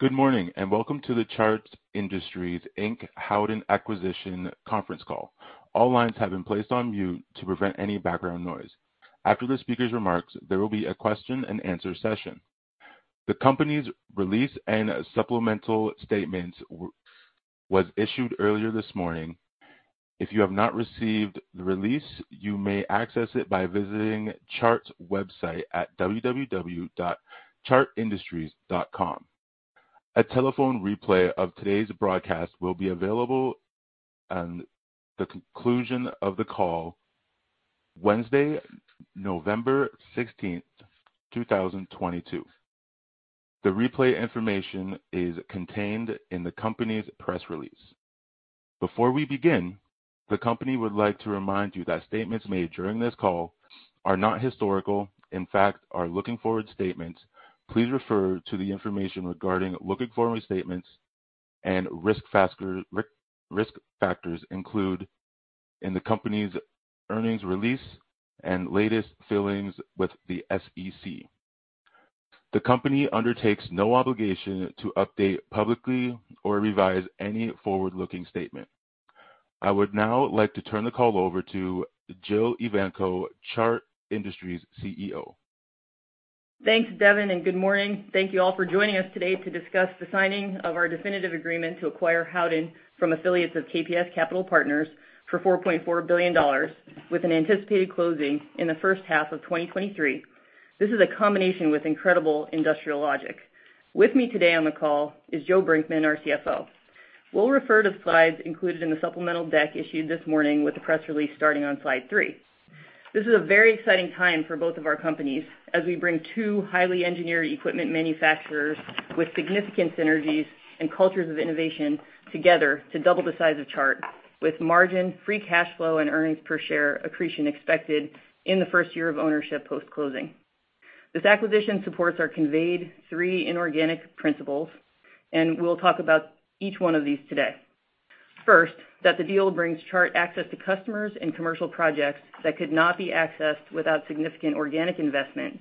Good morning, and welcome to the Chart Industries, Inc. Howden Acquisition Conference Call. All lines have been placed on mute to prevent any background noise. After the speaker's remarks, there will be a question and answer session. The company's release and supplemental statement was issued earlier this morning. If you have not received the release, you may access it by visiting Chart's website at www.chartindustries.com. A telephone replay of today's broadcast will be available on the conclusion of the call, Wednesday, November 16th, 2022. The replay information is contained in the company's press release. Before we begin, the company would like to remind you that statements made during this call are not historical, in fact, are forward-looking statements. Please refer to the information regarding forward-looking statements and risk factors included in the company's earnings release and latest filings with the SEC. The company undertakes no obligation to update publicly or revise any forward-looking statement. I would now like to turn the call over to Jill Evanko, Chart Industries CEO. Thanks, Devin, and good morning. Thank you all for joining us today to discuss the signing of our definitive agreement to acquire Howden from affiliates of KPS Capital Partners for $4.4 billion with an anticipated closing in the first half of 2023. This is a combination with incredible industrial logic. With me today on the call is Joe Brinkman, our CFO. We'll refer to the slides included in the supplemental deck issued this morning with the press release starting on slide three. This is a very exciting time for both of our companies as we bring two highly engineered equipment manufacturers with significant synergies and cultures of innovation together to double the size of Chart with margin, free cash flow, and earnings per share accretion expected in the first year of ownership post-closing. This acquisition supports our core three inorganic principles, and we'll talk about each one of these today. First, that the deal brings Chart access to customers and commercial projects that could not be accessed without significant organic investment,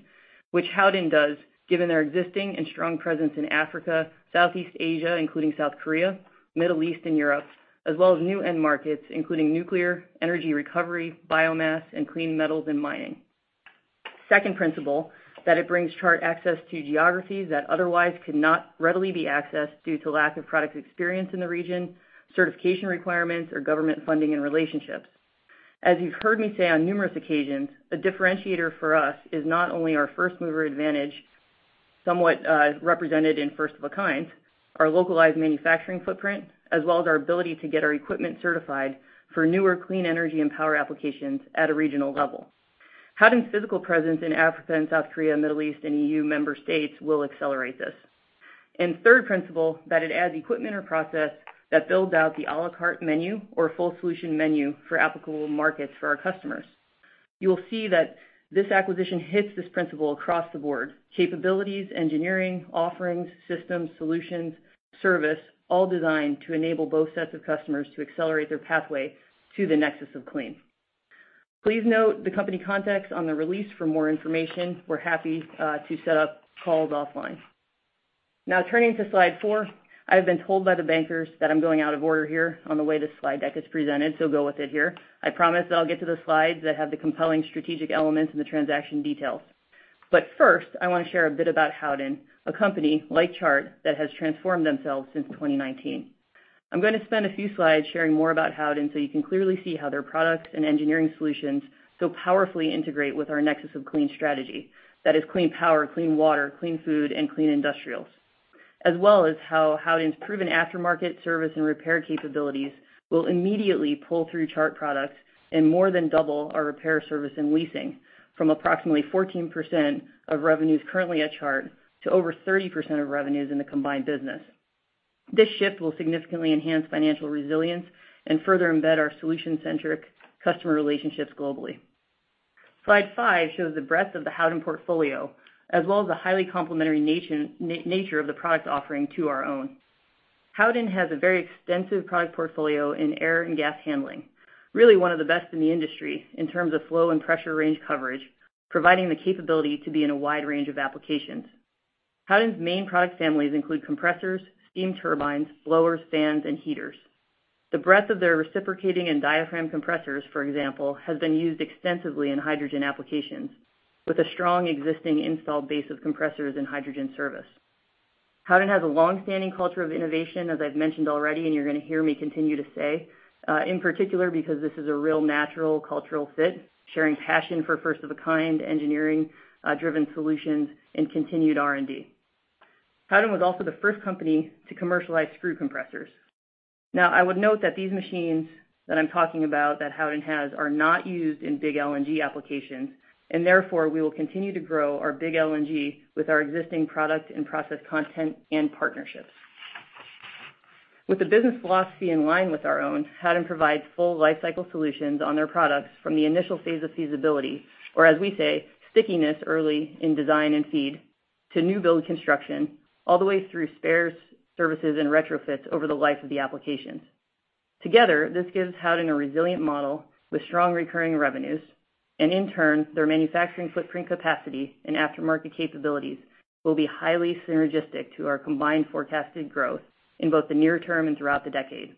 which Howden does, given their existing and strong presence in Africa, Southeast Asia, including South Korea, Middle East, and Europe, as well as new end markets, including nuclear, energy recovery, biomass, and clean metals and mining. Second principle, that it brings Chart access to geographies that otherwise could not readily be accessed due to lack of product experience in the region, certification requirements or government funding and relationships. As you've heard me say on numerous occasions, the differentiator for us is not only our first-mover advantage, somewhat, represented in first-of-a-kind, our localized manufacturing footprint, as well as our ability to get our equipment certified for newer clean energy and power applications at a regional level. Howden's physical presence in Africa and South Korea, Middle East, and EU member states will accelerate this. Third principle, that it adds equipment or process that builds out the à la carte menu or full solution menu for applicable markets for our customers. You will see that this acquisition hits this principle across the board. Capabilities, engineering, offerings, systems, solutions, service, all designed to enable both sets of customers to accelerate their pathway to the Nexus of Clean. Please note the company contacts on the release for more information. We're happy to set up calls offline. Now turning to slide four. I have been told by the bankers that I'm going out of order here on the way this slide deck is presented, so go with it here. I promise that I'll get to the slides that have the compelling strategic elements and the transaction details. First, I wanna share a bit about Howden, a company like Chart that has transformed themselves since 2019. I'm gonna spend a few slides sharing more about Howden so you can clearly see how their products and engineering solutions so powerfully integrate with our Nexus of Clean strategy. That is clean power, clean water, clean food, and clean industrials. As well as how Howden's proven aftermarket service and repair capabilities will immediately pull through Chart products and more than double our repair service and leasing from approximately 14% of revenues currently at Chart to over 30% of revenues in the combined business. This shift will significantly enhance financial resilience and further embed our solution-centric customer relationships globally. Slide five shows the breadth of the Howden portfolio, as well as the highly complementary nature of the product offering to our own. Howden has a very extensive product portfolio in air and gas handling, really one of the best in the industry in terms of flow and pressure range coverage, providing the capability to be in a wide range of applications. Howden's main product families include compressors, steam turbines, blowers, fans, and heaters. The breadth of their reciprocating and diaphragm compressors, for example, has been used extensively in hydrogen applications with a strong existing installed base of compressors and hydrogen service. Howden has a long-standing culture of innovation, as I've mentioned already, and you're gonna hear me continue to say, in particular because this is a real natural cultural fit, sharing passion for first-of-a-kind engineering, driven solutions and continued R&D. Howden was also the first company to commercialize screw compressors. Now, I would note that these machines that I'm talking about that Howden has are not used in big LNG applications, and therefore, we will continue to grow our big LNG with our existing product and process content and partnerships. With a business philosophy in line with our own, Howden provides full lifecycle solutions on their products from the initial phase of feasibility, or as we say, stickiness early in design and FEED to new build construction, all the way through spares, services, and retrofits over the life of the applications. Together, this gives Howden a resilient model with strong recurring revenues, and in turn, their manufacturing footprint capacity and aftermarket capabilities will be highly synergistic to our combined forecasted growth in both the near term and throughout the decade.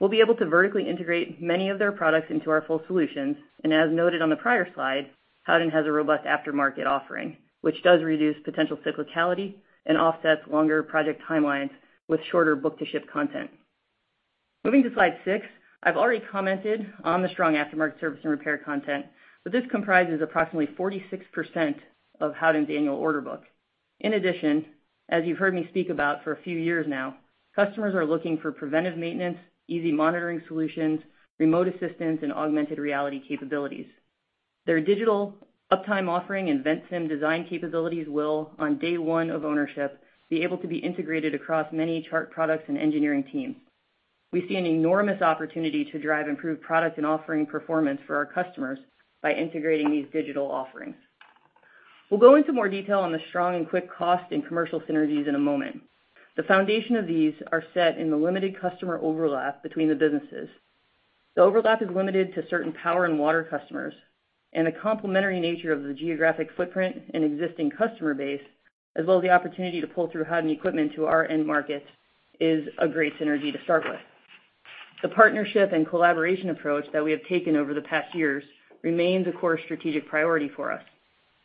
We'll be able to vertically integrate many of their products into our full solutions. As noted on the prior slide, Howden has a robust aftermarket offering, which does reduce potential cyclicality and offsets longer project timelines with shorter book-to-ship content. Moving to slide six. I've already commented on the strong aftermarket service and repair content, but this comprises approximately 46% of Howden's annual order book. In addition, as you've heard me speak about for a few years now, customers are looking for preventive maintenance, easy monitoring solutions, remote assistance, and augmented reality capabilities. Their digital uptime offering and Ventsim design capabilities will, on day one of ownership, be able to be integrated across many Chart products and engineering teams. We see an enormous opportunity to drive improved product and offering performance for our customers by integrating these digital offerings. We'll go into more detail on the strong and quick cost and commercial synergies in a moment. The foundation of these are set in the limited customer overlap between the businesses. The overlap is limited to certain power and water customers, and the complementary nature of the geographic footprint and existing customer base, as well as the opportunity to pull through Howden equipment to our end market is a great synergy to start with. The partnership and collaboration approach that we have taken over the past years remains a core strategic priority for us.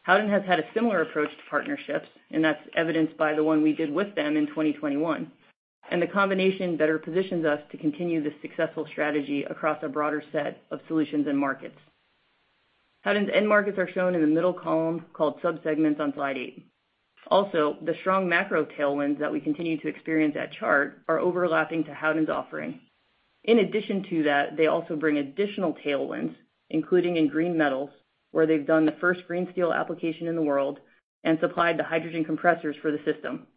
Howden has had a similar approach to partnerships, and that's evidenced by the one we did with them in 2021, and the combination better positions us to continue this successful strategy across a broader set of solutions and markets. Howden's end markets are shown in the middle column called sub-segments on slide eight. Also, the strong macro tailwinds that we continue to experience at Chart are overlapping to Howden's offering. In addition to that, they also bring additional tailwinds, including in green metals, where they've done the first green steel application in the world and supplied the hydrogen compressors for the system.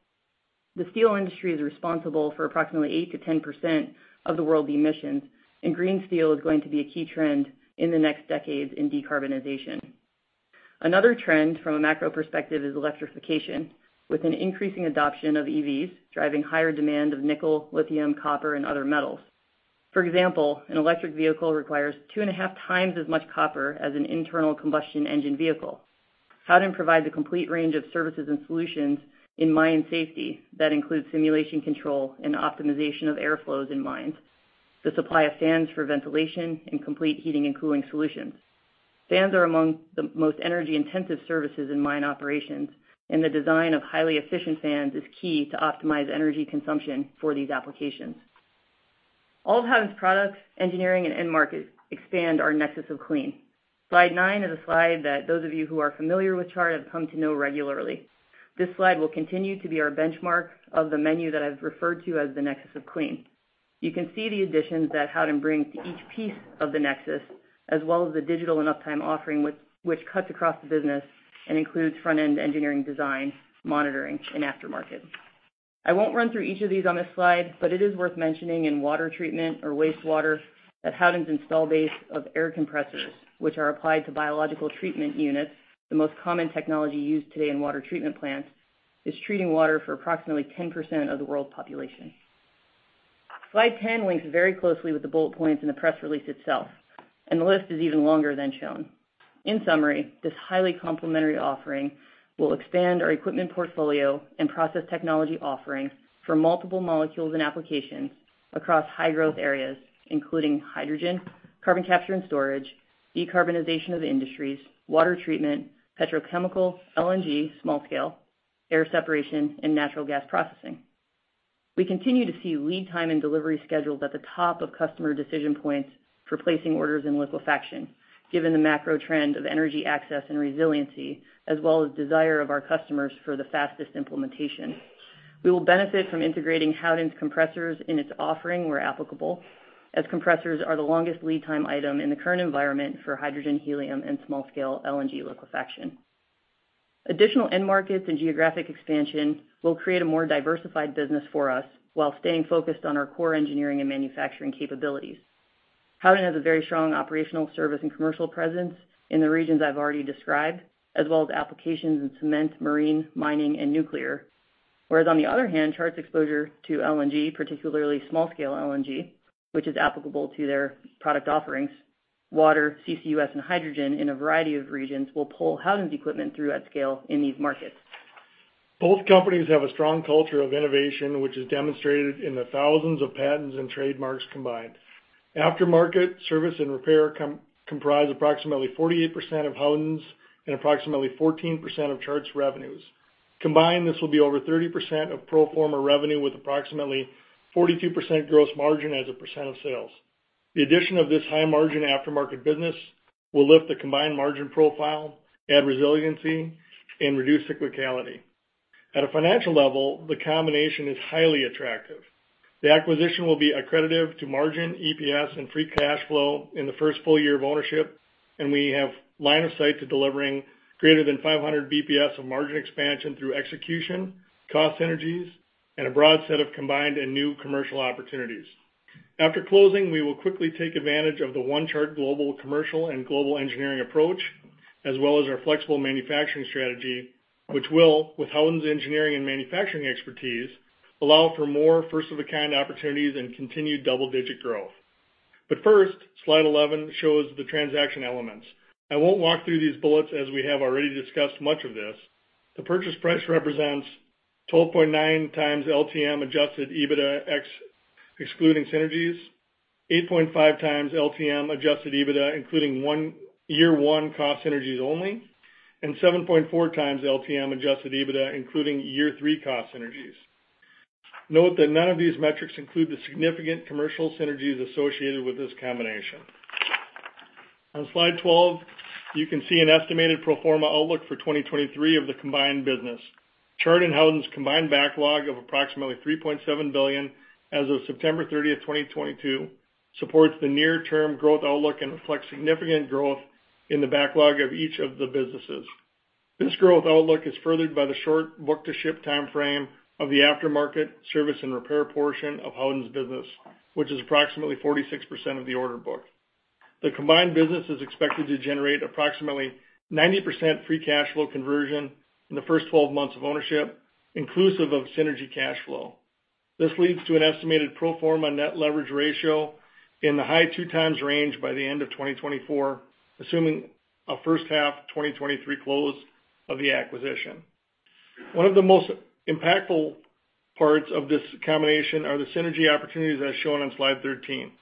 The steel industry is responsible for approximately 8%-10% of the world emissions, and green steel is going to be a key trend in the next decade in decarbonization. Another trend from a macro perspective is electrification, with an increasing adoption of EVs driving higher demand of nickel, lithium, copper, and other metals. For example, an electric vehicle requires two and a half times as much copper as an internal combustion engine vehicle. Howden provides a complete range of services and solutions in mine safety that includes simulation control and optimization of airflows in mines, the supply of fans for ventilation, and complete heating and cooling solutions. Fans are among the most energy-intensive services in mine operations, and the design of highly efficient fans is key to optimize energy consumption for these applications. All of Howden's products, engineering, and end markets expand our Nexus of Clean. Slide nine is a slide that those of you who are familiar with Chart have come to know regularly. This slide will continue to be our benchmark of the menu that I've referred to as the Nexus of Clean. You can see the additions that Howden brings to each piece of the Nexus, as well as the digital and Uptime offering which cuts across the business and includes front-end engineering design, monitoring, and aftermarket. I won't run through each of these on this slide, but it is worth mentioning in water treatment or wastewater that Howden's installed base of air compressors, which are applied to biological treatment units, the most common technology used today in water treatment plants, is treating water for approximately 10% of the world population. Slide 10 links very closely with the bullet points in the press release itself, and the list is even longer than shown. In summary, this highly complementary offering will expand our equipment portfolio and process technology offerings for multiple molecules and applications across high-growth areas, including hydrogen, carbon capture and storage, decarbonization of industries, water treatment, petrochemical, LNG, small scale, air separation, and natural gas processing. We continue to see lead time and delivery schedules at the top of customer decision points for placing orders in liquefaction, given the macro trend of energy access and resiliency, as well as desire of our customers for the fastest implementation. We will benefit from integrating Howden's compressors in its offering where applicable, as compressors are the longest lead time item in the current environment for hydrogen, helium, and small scale LNG liquefaction. Additional end markets and geographic expansion will create a more diversified business for us while staying focused on our core engineering and manufacturing capabilities. Howden has a very strong operational service and commercial presence in the regions I've already described, as well as applications in cement, marine, mining, and nuclear. Whereas on the other hand, Chart's exposure to LNG, particularly small-scale LNG, which is applicable to their product offerings, water, CCUS, and hydrogen in a variety of regions will pull Howden's equipment through at scale in these markets. Both companies have a strong culture of innovation, which is demonstrated in the thousands of patents and trademarks combined. Aftermarket service and repair comprise approximately 48% of Howden's and approximately 14% of Chart's revenues. Combined, this will be over 30% of pro forma revenue, with approximately 42% gross margin as a percent of sales. The addition of this high-margin aftermarket business will lift the combined margin profile, add resiliency, and reduce cyclicality. At a financial level, the combination is highly attractive. The acquisition will be accretive to margin, EPS, and free cash flow in the first full year of ownership, and we have line of sight to delivering greater than 500 BPS of margin expansion through execution, cost synergies, and a broad set of combined and new commercial opportunities. After closing, we will quickly take advantage of the One Chart global commercial and global engineering approach. As well as our flexible manufacturing strategy, which will, with Howden's engineering and manufacturing expertise, allow for more first-of-a-kind opportunities and continued double-digit growth. First, slide 11 shows the transaction elements. I won't walk through these bullets as we have already discussed much of this. The purchase price represents 12.9x LTM adjusted EBITDA excluding synergies, 8.5x LTM adjusted EBITDA including year one cost synergies only, and 7.4x LTM adjusted EBITDA including year three cost synergies. Note that none of these metrics include the significant commercial synergies associated with this combination. On slide 12, you can see an estimated pro forma outlook for 2023 of the combined business. Chart and Howden's combined backlog of approximately $3.7 billion as of September 30th, 2022 supports the near-term growth outlook and reflects significant growth in the backlog of each of the businesses. This growth outlook is furthered by the short book-to-ship timeframe of the aftermarket service and repair portion of Howden's business, which is approximately 46% of the order book. The combined business is expected to generate approximately 90% free cash flow conversion in the first 12 months of ownership, inclusive of synergy cash flow. This leads to an estimated pro forma net leverage ratio in the high 2x range by the end of 2024, assuming a first half 2023 close of the acquisition. One of the most impactful parts of this combination are the synergy opportunities as shown on slide 13.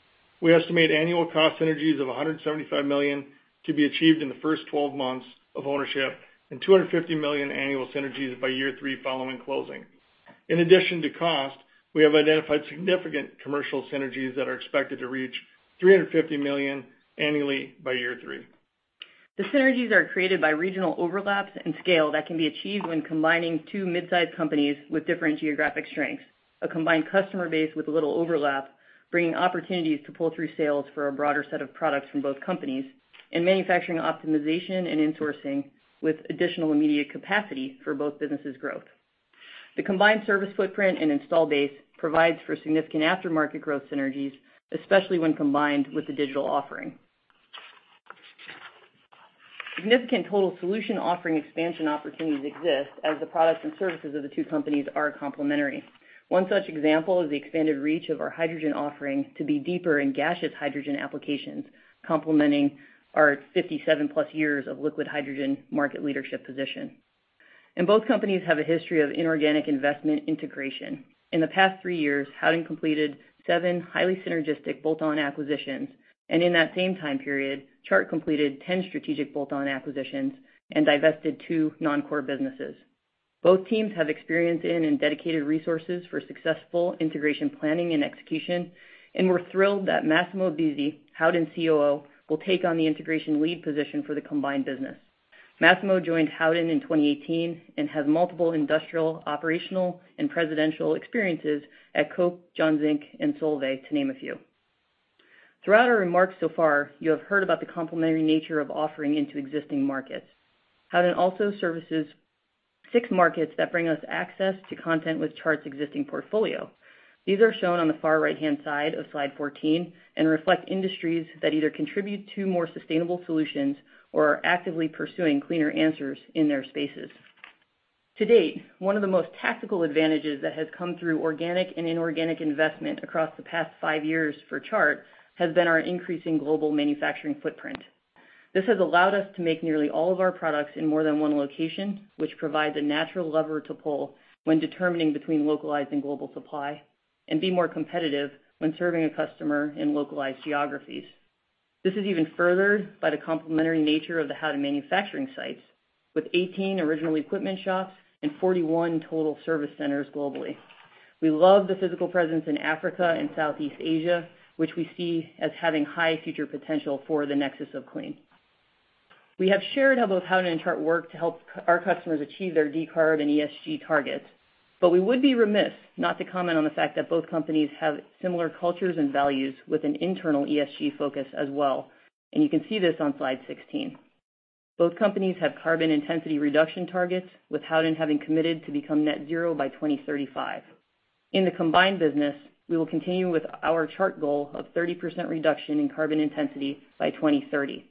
We estimate annual cost synergies of $175 million to be achieved in the first 12 months of ownership, and $250 million annual synergies by year three following closing. In addition to cost, we have identified significant commercial synergies that are expected to reach $350 million annually by year three. The synergies are created by regional overlaps and scale that can be achieved when combining two midsize companies with different geographic strengths, a combined customer base with a little overlap, bringing opportunities to pull through sales for a broader set of products from both companies, and manufacturing optimization and insourcing with additional immediate capacity for both businesses' growth. The combined service footprint and install base provides for significant aftermarket growth synergies, especially when combined with the digital offering. Significant total solution offering expansion opportunities exist as the products and services of the two companies are complementary. One such example is the expanded reach of our hydrogen offering to be deeper in gaseous hydrogen applications, complementing our 57+ years of liquid hydrogen market leadership position. Both companies have a history of inorganic investment integration. In the past three years, Howden completed seven highly synergistic bolt-on acquisitions, and in that same time period, Chart completed 10 strategic bolt-on acquisitions and divested two non-core businesses. Both teams have experience in and dedicated resources for successful integration planning and execution, and we're thrilled that Massimo Buzzi, Howden's COO, will take on the integration lead position for the combined business. Massimo joined Howden in 2018 and has multiple industrial, operational, and presidential experiences at Koch, John Zink, and Solvay, to name a few. Throughout our remarks so far, you have heard about the complementary nature of offering into existing markets. Howden also services six markets that bring us access to content with Chart's existing portfolio. These are shown on the far right-hand side of slide 14 and reflect industries that either contribute to more sustainable solutions or are actively pursuing cleaner answers in their spaces. To date, one of the most tactical advantages that has come through organic and inorganic investment across the past five years for Chart has been our increasing global manufacturing footprint. This has allowed us to make nearly all of our products in more than one location, which provides a natural lever to pull when determining between localized and global supply and be more competitive when serving a customer in localized geographies. This is even furthered by the complementary nature of the Howden manufacturing sites, with 18 original equipment shops and 41 total service centers globally. We love the physical presence in Africa and Southeast Asia, which we see as having high future potential for the Nexus of Clean. We have shared how both Howden and Chart work to help our customers achieve their decarb and ESG targets, but we would be remiss not to comment on the fact that both companies have similar cultures and values with an internal ESG focus as well. You can see this on slide 16. Both companies have carbon intensity reduction targets, with Howden having committed to become net zero by 2035. In the combined business, we will continue with our Chart goal of 30% reduction in carbon intensity by 2030.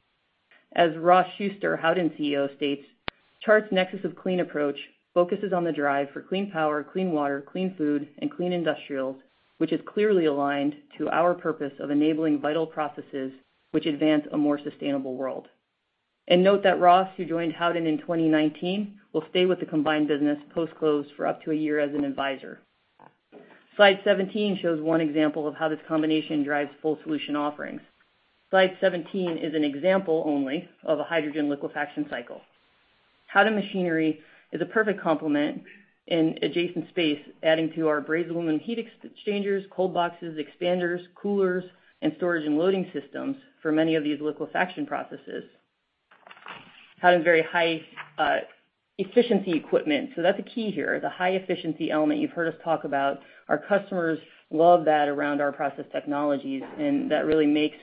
As Ross Shuster, Howden's CEO, states, "Chart's Nexus of Clean approach focuses on the drive for clean power, clean water, clean food, and clean industrials, which is clearly aligned to our purpose of enabling vital processes which advance a more sustainable world." Note that Ross, who joined Howden in 2019, will stay with the combined business post-close for up to a year as an advisor. Slide 17 shows one example of how this combination drives full solution offerings. Slide 17 is an example only of a hydrogen liquefaction cycle. Howden Machinery is a perfect complement in adjacent space, adding to our brazed aluminum heat exchangers, cold boxes, expanders, coolers, and storage and loading systems for many of these liquefaction processes. Howden's very high efficiency equipment, so that's a key here, the high efficiency element you've heard us talk about. Our customers love that around our process technologies, and that really makes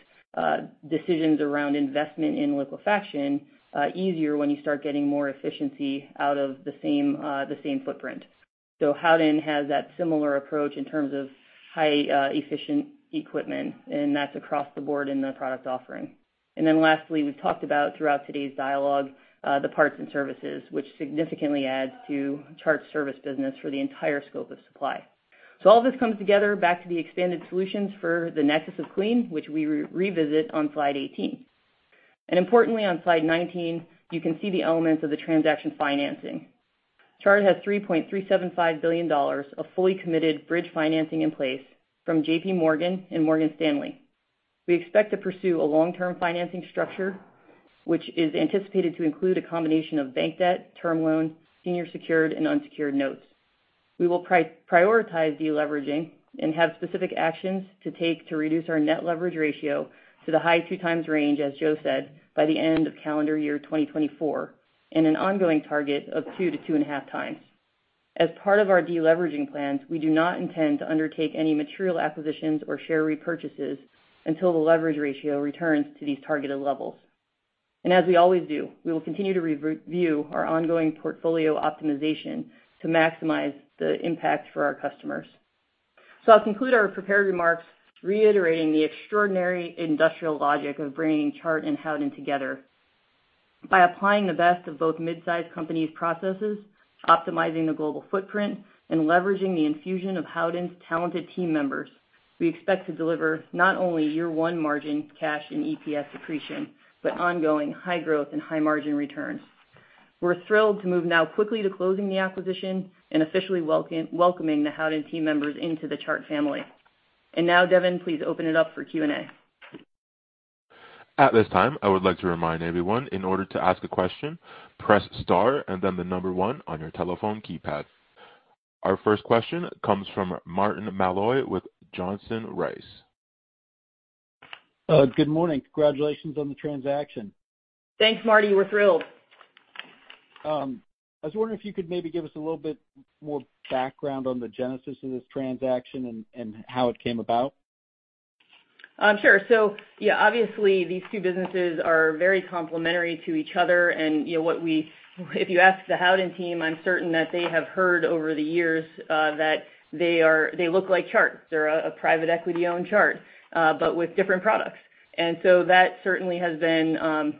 decisions around investment in liquefaction easier when you start getting more efficiency out of the same the same footprint. Howden has that similar approach in terms of high efficient equipment, and that's across the board in the product offering. Lastly, we've talked about throughout today's dialogue the parts and services, which significantly adds to Chart's service business for the entire scope of supply. All this comes together back to the expanded solutions for the Nexus of Clean, which we revisit on slide 18. Importantly, on slide 19, you can see the elements of the transaction financing. Chart has $3.375 billion of fully committed bridge financing in place from JPMorgan and Morgan Stanley. We expect to pursue a long-term financing structure, which is anticipated to include a combination of bank debt, term loan, senior secured and unsecured notes. We will prioritize deleveraging and have specific actions to take to reduce our net leverage ratio to the high 2x range, as Joe said, by the end of calendar year 2024, and an ongoing target of 2x-2.5x. As part of our deleveraging plans, we do not intend to undertake any material acquisitions or share repurchases until the leverage ratio returns to these targeted levels. We always do, we will continue to review our ongoing portfolio optimization to maximize the impact for our customers. I'll conclude our prepared remarks reiterating the extraordinary industrial logic of bringing Chart and Howden together. By applying the best of both mid-size companies' processes, optimizing the global footprint, and leveraging the infusion of Howden's talented team members, we expect to deliver not only year one margin cash and EPS accretion, but ongoing high growth and high margin returns. We're thrilled to move now quickly to closing the acquisition and officially welcoming the Howden team members into the Chart family. Now, Devin, please open it up for Q&A. At this time, I would like to remind everyone, in order to ask a question, press star and then the number one on your telephone keypad. Our first question comes from Martin Malloy with Johnson Rice. Good morning. Congratulations on the transaction. Thanks, Marty. We're thrilled. I was wondering if you could maybe give us a little bit more background on the genesis of this transaction and how it came about? Sure. Yeah, obviously these two businesses are very complementary to each other, and you know what we, if you ask the Howden team, I'm certain that they have heard over the years that they look like Chart. They're a private equity-owned Chart, but with different products. That certainly has been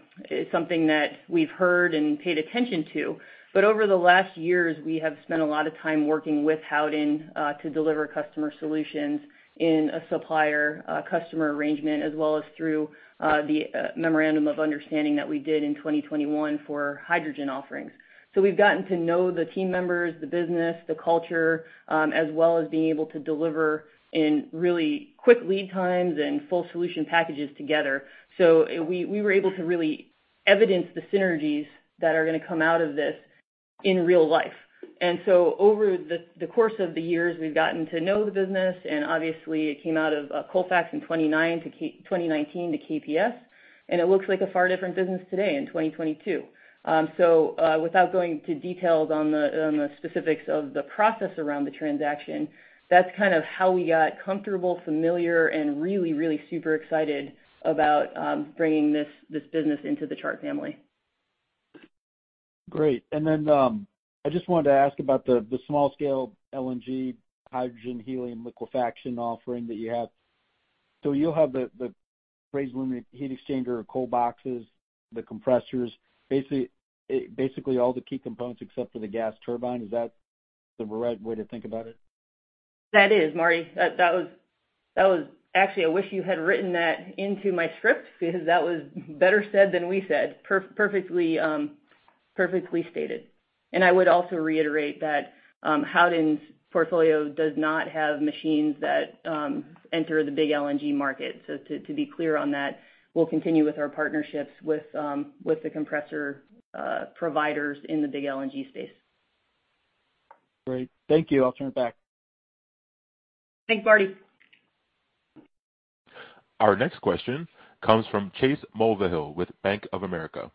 something that we've heard and paid attention to. Over the last years, we have spent a lot of time working with Howden to deliver customer solutions in a supplier customer arrangement, as well as through the memorandum of understanding that we did in 2021 for hydrogen offerings. We've gotten to know the team members, the business, the culture, as well as being able to deliver in really quick lead times and full solution packages together. We were able to really evidence the synergies that are gonna come out of this in real life. Over the course of the years, we've gotten to know the business, and obviously it came out of Colfax in 2019 to KPS, and it looks like a far different business today in 2022. Without going into details on the specifics of the process around the transaction, that's kind of how we got comfortable, familiar, and really super excited about bringing this business into the Chart family. Great. I just wanted to ask about the small-scale LNG hydrogen helium liquefaction offering that you have. You'll have the brazed heat exchanger, cold boxes, the compressors, basically all the key components except for the gas turbine. Is that the right way to think about it? That is, Marty. That was actually, I wish you had written that into my script because that was better said than we said. Perfectly stated. I would also reiterate that Howden's portfolio does not have machines that enter the big LNG market. To be clear on that, we'll continue with our partnerships with the compressor providers in the big LNG space. Great. Thank you. I'll turn it back. Thanks, Marty. Our next question comes from Chase Mulvehill with Bank of America.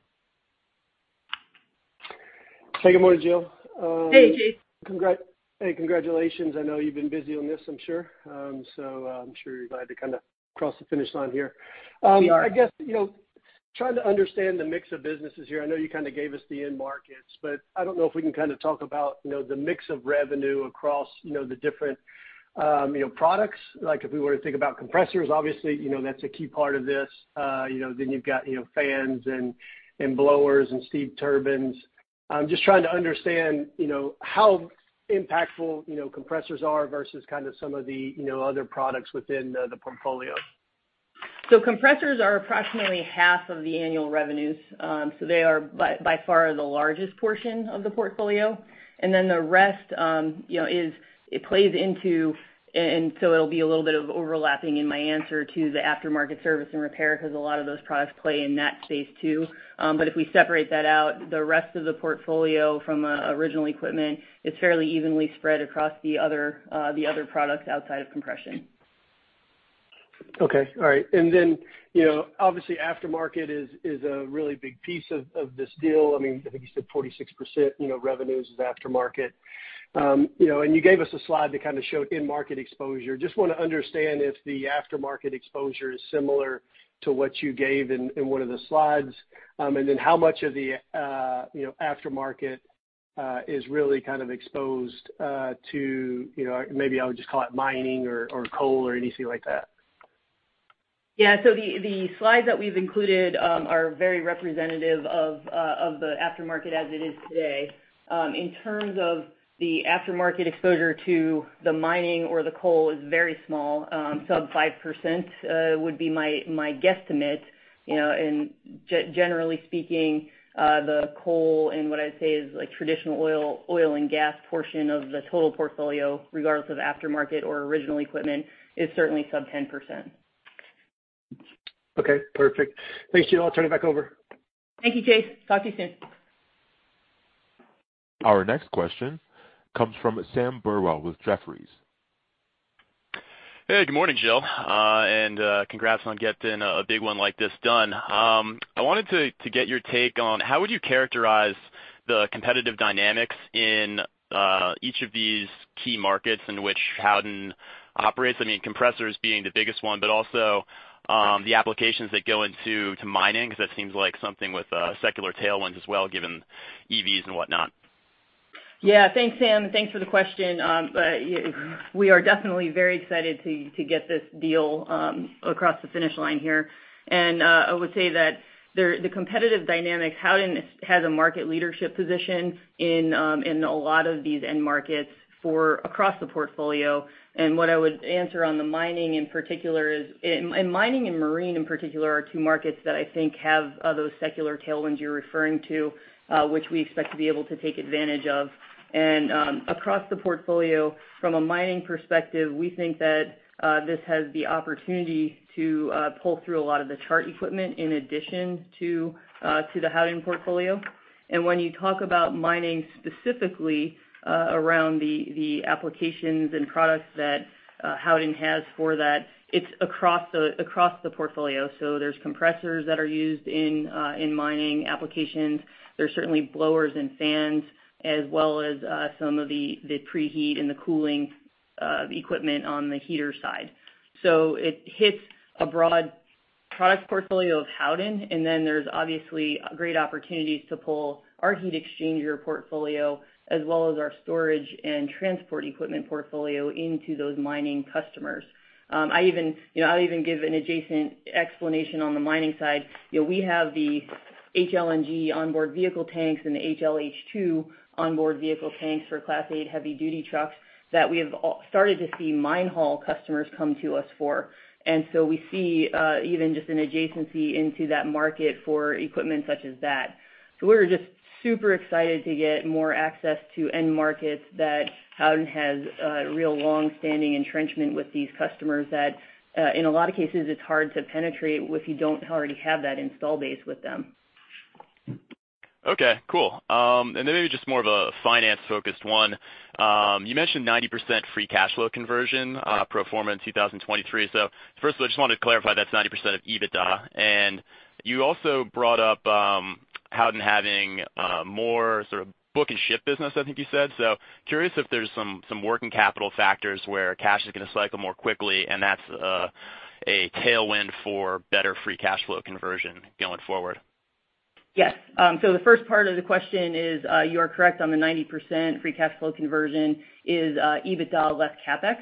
Hey, good morning, Jill. Hey, Chase. Hey, congratulations. I know you've been busy on this, I'm sure. I'm sure you're glad to kinda cross the finish line here. We are. I guess, you know, trying to understand the mix of businesses here. I know you kinda gave us the end markets, but I don't know if we can kinda talk about, you know, the mix of revenue across, you know, the different, you know, products. Like if we were to think about compressors, obviously, you know, that's a key part of this. You know, then you've got, you know, fans and blowers and steam turbines. I'm just trying to understand, you know, how impactful, you know, compressors are versus kind of some of the, you know, other products within the portfolio. Compressors are approximately half of the annual revenues. They are by far the largest portion of the portfolio. The rest is a little bit of overlapping in my answer to the aftermarket service and repair 'cause a lot of those products play in that space too. If we separate that out, the rest of the portfolio from original equipment is fairly evenly spread across the other products outside of compression. Okay. All right. Then, you know, obviously aftermarket is a really big piece of this deal. I mean, I think you said 46%, you know, revenues is aftermarket. You know, you gave us a slide that kinda showed end market exposure. Just want to understand if the aftermarket exposure is similar to what you gave in one of the slides. How much of the, you know, aftermarket is really kind of exposed to, you know, maybe I would just call it mining or coal or anything like that? Yeah. The slides that we've included are very representative of the aftermarket as it is today. In terms of the aftermarket exposure to the mining or the coal is very small, sub 5%, would be my guesstimate, you know. Generally speaking, the coal and what I'd say is like traditional oil and gas portion of the total portfolio, regardless of aftermarket or original equipment, is certainly sub 10%. Okay, perfect. Thanks, Jill. I'll turn it back over. Thank you, Chase. Talk to you soon. Our next question comes from Sam Burwell with Jefferies. Hey, good morning, Jill. Congrats on getting a big one like this done. I wanted to get your take on how would you characterize the competitive dynamics in each of these key markets in which Howden operates? I mean, compressors being the biggest one, but also the applications that go into mining, because that seems like something with secular tailwinds as well, given EVs and whatnot. Yeah. Thanks, Sam, and thanks for the question. We are definitely very excited to get this deal across the finish line here. I would say that the competitive dynamics, Howden has a market leadership position in a lot of these end markets for across the portfolio. What I would answer on the mining in particular is, mining and marine in particular are two markets that I think have those secular tailwinds you're referring to, which we expect to be able to take advantage of. Across the portfolio, from a mining perspective, we think that this has the opportunity to pull through a lot of the Chart equipment in addition to the Howden portfolio. When you talk about mining specifically, around the applications and products that Howden has for that, it's across the portfolio. There's compressors that are used in mining applications. There's certainly blowers and fans, as well as some of the pre-heat and the cooling equipment on the heater side. It hits a broad product portfolio of Howden, and then there's obviously great opportunities to pull our heat exchanger portfolio, as well as our storage and transport equipment portfolio into those mining customers. I even, you know, I'll even give an adjacent explanation on the mining side. You know, we have the HLNG onboard vehicle tanks and the HLH2 onboard vehicle tanks for Class 8 heavy duty trucks that we have all started to see mine haul customers come to us for. We see even just an adjacency into that market for equipment such as that. We're just super excited to get more access to end markets that Howden has a real long-standing entrenchment with these customers that, in a lot of cases it's hard to penetrate if you don't already have that install base with them. Okay, cool. Maybe just more of a finance-focused one. You mentioned 90% free cash flow conversion, pro forma in 2023. First of all, I just wanted to clarify, that's 90% of EBITDA. You also brought up Howden having more sort of book-to-ship business, I think you said. Curious if there's some working capital factors where cash is gonna cycle more quickly, and that's a tailwind for better free cash flow conversion going forward. Yes. The first part of the question is, you are correct on the 90% free cash flow conversion is EBITDA less CapEx.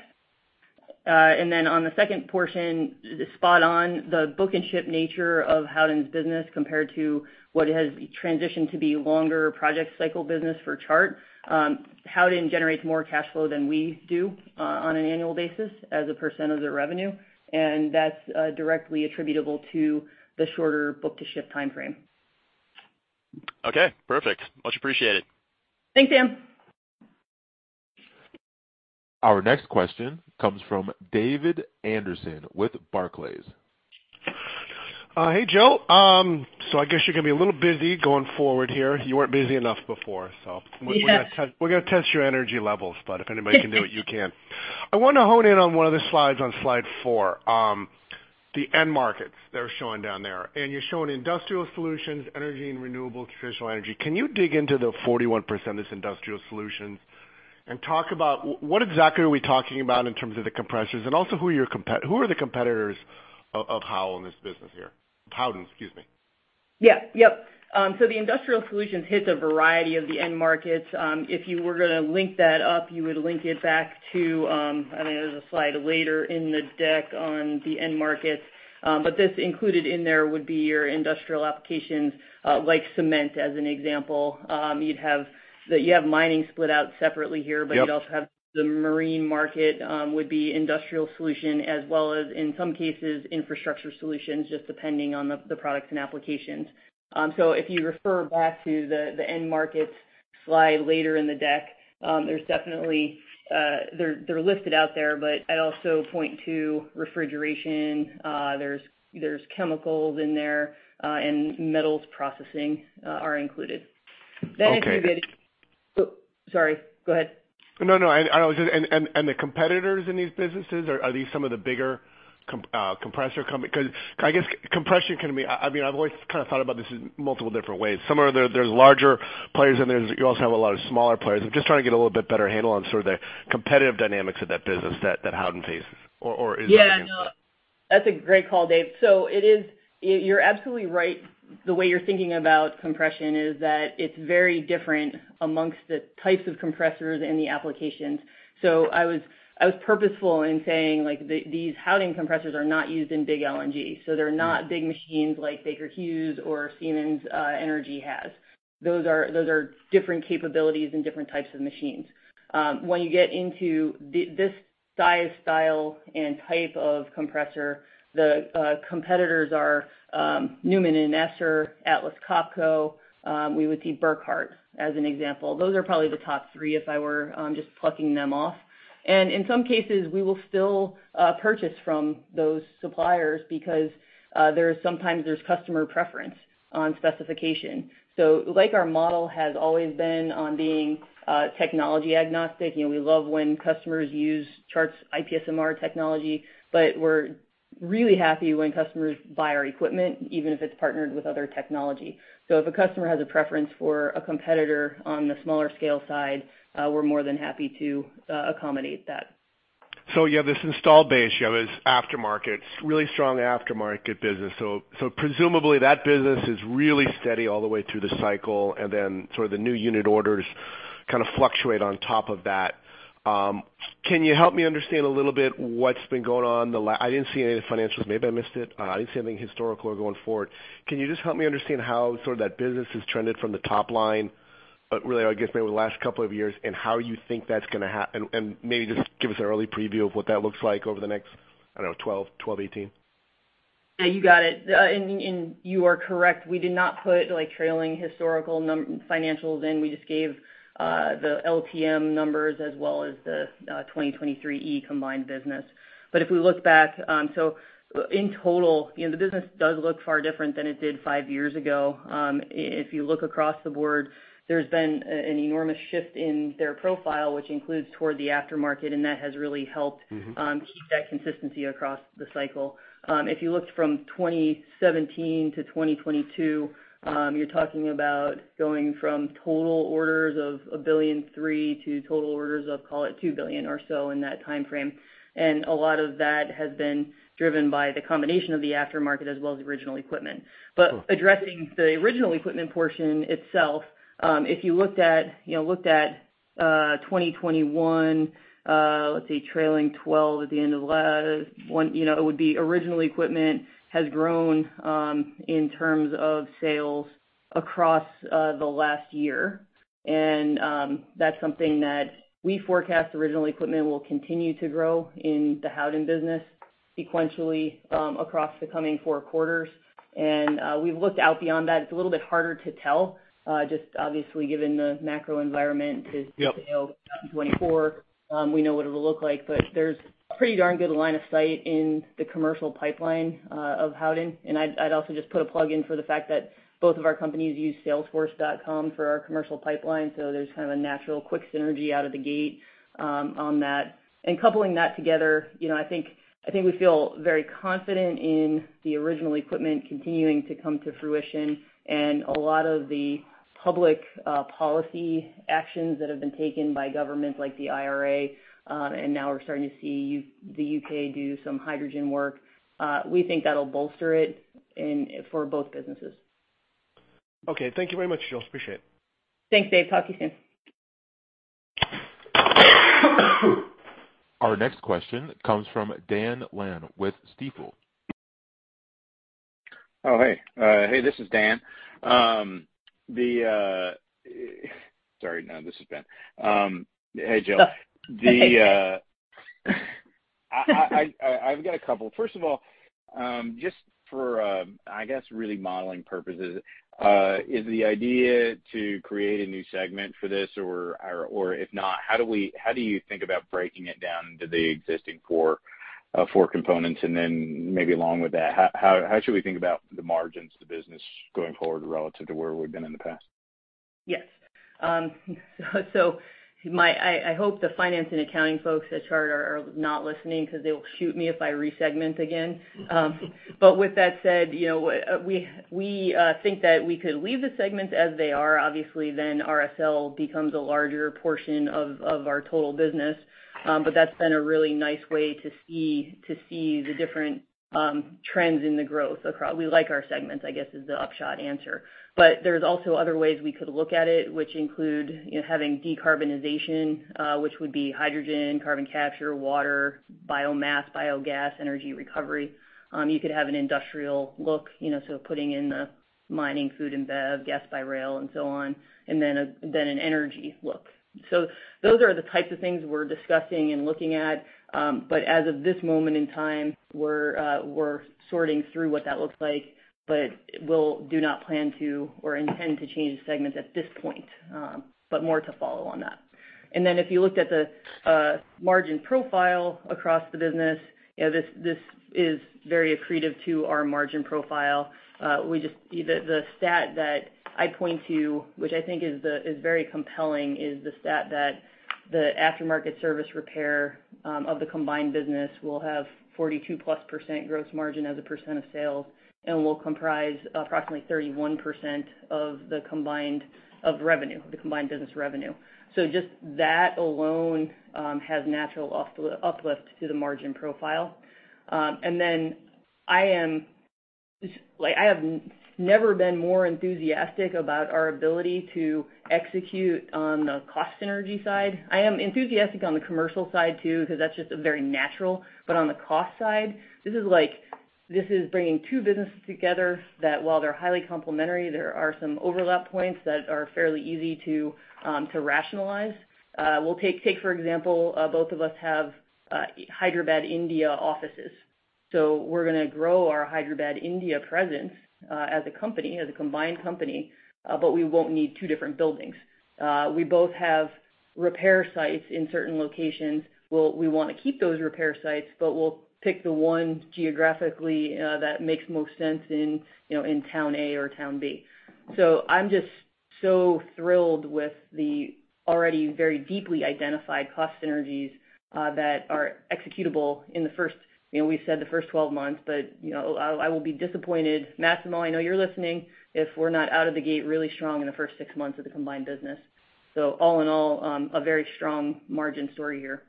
On the second portion, spot on the book-to-ship nature of Howden's business compared to what has transitioned to be longer project cycle business for Chart. Howden generates more cash flow than we do on an annual basis as a percent of their revenue, and that's directly attributable to the shorter book-to-ship timeframe. Okay, perfect. Much appreciated. Thanks, Sam. Our next question comes from David Anderson with Barclays. Hey, Jill. I guess you're gonna be a little busy going forward here. You weren't busy enough before. Yeah. We're gonna test your energy levels, but if anybody can do it, you can. I want to hone in on one of the slides on slide four, the end markets that are shown down there, and you're showing industrial solutions, energy and renewables, traditional energy. Can you dig into the 41% that's industrial solutions and talk about what exactly are we talking about in terms of the compressors and also who are the competitors of Howden in this business here? Howden, excuse me. Yeah. Yep. The industrial solutions hits a variety of the end markets. If you were gonna link that up, you would link it back to, I think there's a slide later in the deck on the end markets. This included in there would be your industrial applications, like cement as an example. You'd have mining split out separately here. Yep. You'd also have the marine market, would be industrial solution, as well as in some cases, infrastructure solutions, just depending on the products and applications. If you refer back to the end markets slide later in the deck, there's definitely. They're listed out there, but I'd also point to refrigeration. There's chemicals in there, and metals processing are included. If you get- Okay. Sorry, go ahead. No, no. The competitors in these businesses are these some of the bigger compressor companies? 'Cause I guess compression can be, I mean, I've always kind of thought about this in multiple different ways. So there are larger players and there are also a lot of smaller players. I'm just trying to get a little bit better handle on sort of the competitive dynamics of that business that Howden faces. Or is that-? Yeah. No, that's a great call, Dave. It is. You're absolutely right. The way you're thinking about compression is that it's very different among the types of compressors and the applications. I was purposeful in saying, like, these Howden compressors are not used in big LNG, so they're not big machines like Baker Hughes or Siemens Energy has. Those are different capabilities and different types of machines. When you get into this size, style, and type of compressor, the competitors are Neuman & Esser, Atlas Copco, we would see Burckhardt as an example. Those are probably the top three if I were just plucking them off. In some cases, we will still purchase from those suppliers because there is sometimes customer preference on specification. Like our model has always been on being technology agnostic, you know, we love when customers use Chart's IPSMR technology, but we're really happy when customers buy our equipment, even if it's partnered with other technology. If a customer has a preference for a competitor on the smaller scale side, we're more than happy to accommodate that. You have this installed base, you have this aftermarket, really strong aftermarket business. Presumably that business is really steady all the way through the cycle, and then sort of the new unit orders kind of fluctuate on top of that. Can you help me understand a little bit what's been going on. I didn't see any financials. Maybe I missed it. I didn't see anything historical or going forward. Can you just help me understand how sort of that business has trended from the top line, really, I guess, maybe the last couple of years, and how you think that's gonna and maybe just give us an early preview of what that looks like over the next, I don't know, 12, 18? Yeah, you got it. You are correct. We did not put trailing historical financials in. We just gave the LTM numbers as well as the 2023 E combined business. If we look back, in total, you know, the business does look far different than it did five years ago. If you look across the board, there's been an enormous shift in their profile, which includes toward the aftermarket, and that has really helped- Mm-hmm. -keep that consistency across the cycle. If you looked from 2017 to 2022, you're talking about going from total orders of $1.3 billion to total orders of, call it, $2 billion or so in that timeframe. A lot of that has been driven by the combination of the aftermarket as well as original equipment. Sure. Addressing the original equipment portion itself, if you looked at, you know, 2021, let's see, trailing twelve at the end of the last one, you know, it would be original equipment has grown in terms of sales across the last year. That's something that we forecast original equipment will continue to grow in the Howden business sequentially across the coming four quarters. We've looked out beyond that. It's a little bit harder to tell just obviously given the macro environment. Yep. We know 2024, we know what it'll look like, but there's pretty darn good line of sight in the commercial pipeline of Howden. I'd also just put a plug in for the fact that both of our companies use Salesforce.com for our commercial pipeline, so there's kind of a natural quick synergy out of the gate on that. Coupling that together, you know, I think we feel very confident in the original equipment continuing to come to fruition and a lot of the public policy actions that have been taken by government like the IRA, and now we're starting to see the U.K. do some hydrogen work. We think that'll bolster it in for both businesses. Okay. Thank you very much, Jill. Appreciate it. Thanks, Dave. Talk to you soon. Our next question comes from Dan Levy with Stifel. Oh, hey. Hey, this is Dan. Sorry, no, this is Ben. Hey, Jill. I've got a couple. First of all, just for, I guess, really modeling purposes, is the idea to create a new segment for this? Or if not, how do you think about breaking it down into the existing four components? Then maybe along with that, how should we think about the margins, the business going forward relative to where we've been in the past? Yes. I hope the finance and accounting folks at Chart are not listening 'cause they will shoot me if I re-segment again. With that said, you know, we think that we could leave the segments as they are. Obviously, then RSL becomes a larger portion of our total business. That's been a really nice way to see the different trends in the growth across. We like our segments, I guess, is the upshot answer. There's also other ways we could look at it, which include, you know, having decarbonization, which would be hydrogen, carbon capture, water, biomass, biogas, energy recovery. You could have an industrial look, you know, so putting in the mining food and bev, gas by rail and so on, and then an energy look. Those are the types of things we're discussing and looking at. As of this moment in time, we're sorting through what that looks like, but we do not plan to or intend to change the segments at this point, but more to follow on that. Then if you looked at the margin profile across the business, you know, this is very accretive to our margin profile. The stat that I point to, which I think is very compelling, is the stat that the aftermarket service repair of the combined business will have 42%+ gross margin as a percent of sales and will comprise approximately 31% of the combined revenue, the combined business revenue. Just that alone has natural uplift to the margin profile. Just like I have never been more enthusiastic about our ability to execute on the cost synergy side. I am enthusiastic on the commercial side too, because that's just a very natural. On the cost side, this is bringing two businesses together that while they're highly complementary, there are some overlap points that are fairly easy to rationalize. We'll take for example, both of us have Hyderabad, India offices. So we're gonna grow our Hyderabad, India presence as a company, as a combined company, but we won't need two different buildings. We both have repair sites in certain locations. We'll wanna keep those repair sites, but we'll pick the one geographically that makes most sense in, you know, in town A or town B. I'm just so thrilled with the already very deeply identified cost synergies that are executable in the first, you know, we said the first 12 months, but, you know, I will be disappointed. Matt and Molly, I know you're listening, if we're not out of the gate really strong in the first 6 months of the combined business. All in all, a very strong margin story here.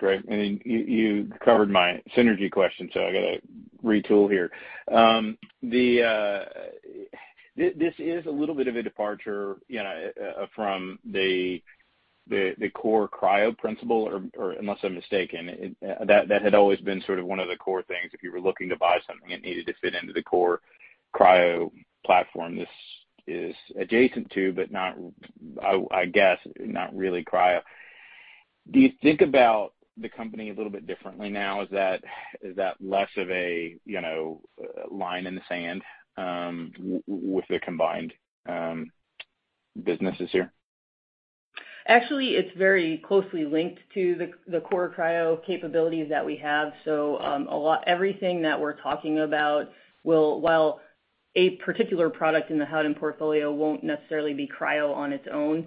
Great. I mean, you covered my synergy question, so I gotta retool here. This is a little bit of a departure, you know, from the c'ore cryo principle, or unless I'm mistaken, that had always been sort of one of the core things if you were looking to buy something, it needed to fit into the core cryo platform. This is adjacent to, but not, I guess, not really cryo. Do you think about the company a little bit differently now? Is that less of a, you know, line in the sand, with the combined businesses here? Actually, it's very closely linked to the core cryo capabilities that we have. Everything that we're talking about, while a particular product in the Howden portfolio won't necessarily be cryo on its own,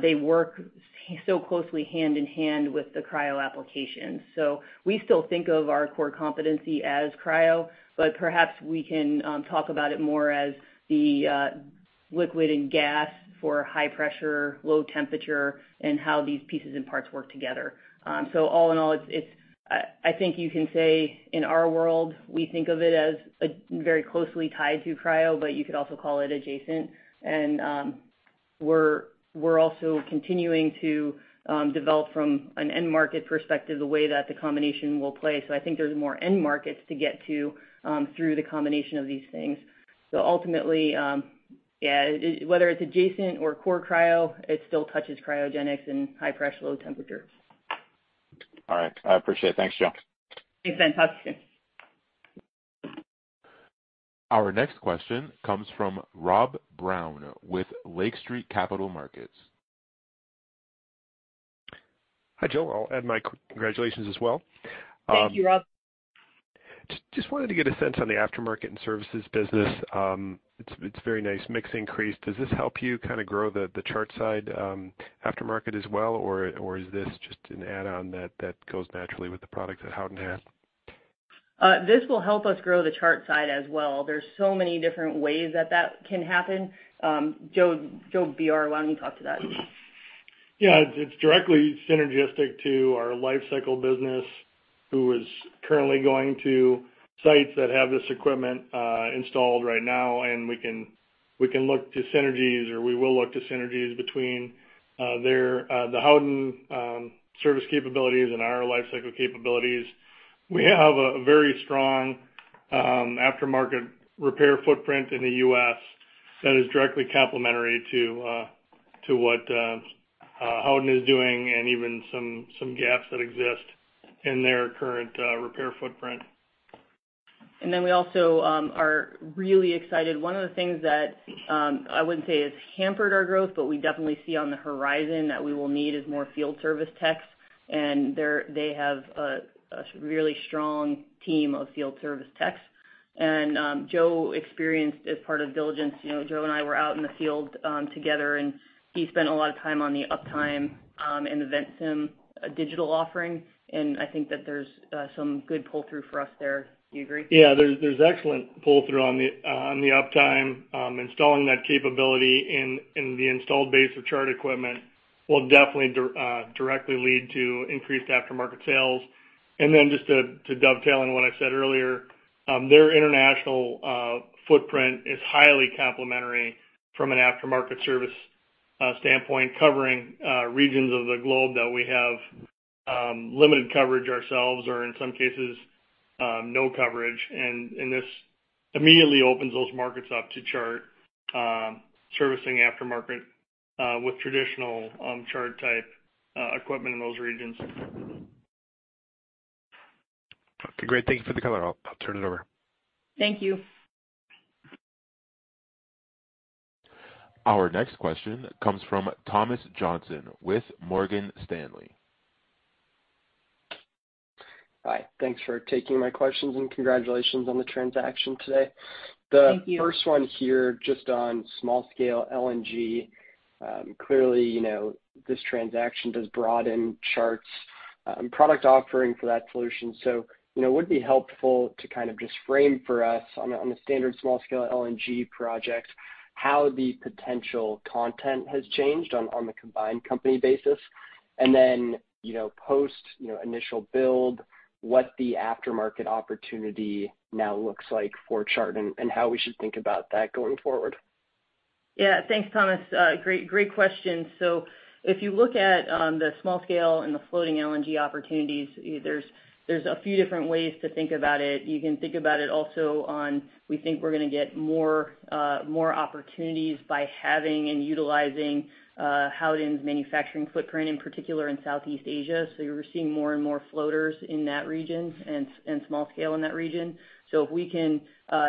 they work so closely hand in hand with the cryo application. We still think of our core competency as cryo, but perhaps we can talk about it more as the liquid and gas for high pressure, low temperature, and how these pieces and parts work together. All in all, it's, I think you can say in our world, we think of it as very closely tied to cryo, but you could also call it adjacent. We're also continuing to develop from an end market perspective, the way that the combination will play. I think there's more end markets to get to, through the combination of these things. Ultimately, it whether it's adjacent or core cryo, it still touches cryogenics and high pressure, low temperature. All right. I appreciate it. Thanks, Jill. Thanks, Ben. Talk soon. Our next question comes from Rob Brown with Lake Street Capital Markets. Hi, Jill. I'll add my congratulations as well. Thank you, Rob. Just wanted to get a sense on the aftermarket and services business. It's very nice mix increase. Does this help you kind of grow the Chart side aftermarket as well, or is this just an add-on that goes naturally with the products that Howden has? This will help us grow the Chart side as well. There's so many different ways that can happen. Joe Brinkman, why don't you talk to that? Yeah. It's directly synergistic to our lifecycle business, who is currently going to sites that have this equipment installed right now, and we can look to synergies, or we will look to synergies between their Howden service capabilities and our lifecycle capabilities. We have a very strong aftermarket repair footprint in the U.S. that is directly complementary to what Howden is doing and even some gaps that exist in their current repair footprint. We also are really excited. One of the things that I wouldn't say has hampered our growth, but we definitely see on the horizon that we will need is more field service techs, and they have a really strong team of field service techs. Joe experienced as part of diligence, you know, Joe and I were out in the field together, and he spent a lot of time on the Uptime and the Ventsim digital offering, and I think that there's some good pull-through for us there. Do you agree? Yeah. There's excellent pull-through on the uptime. Installing that capability in the installed base of Chart equipment will definitely directly lead to increased aftermarket sales. Just to dovetail on what I said earlier, their international footprint is highly complementary from an aftermarket service standpoint, covering regions of the globe that we have limited coverage ourselves or in some cases no coverage. This immediately opens those markets up to Chart servicing aftermarket with traditional Chart-type equipment in those regions. Okay, great. Thank you for the color. I'll turn it over. Thank you. Our next question comes from Thomas Johnson with Morgan Stanley. Hi. Thanks for taking my questions, and congratulations on the transaction today. Thank you. The first one here, just on small-scale LNG. Clearly, you know, this transaction does broaden Chart's product offering for that solution. You know, would it be helpful to kind of just frame for us on a standard small-scale LNG project? How the potential content has changed on the combined company basis. Then, you know, post, you know, initial build, what the aftermarket opportunity now looks like for Chart and how we should think about that going forward. Yeah. Thanks, Thomas. Great question. If you look at the small scale and the floating LNG opportunities, there's a few different ways to think about it. You can think about it also on, we think we're gonna get more opportunities by having and utilizing Howden's manufacturing footprint, in particular in Southeast Asia. You're seeing more and more floaters in that region and small scale in that region. If we can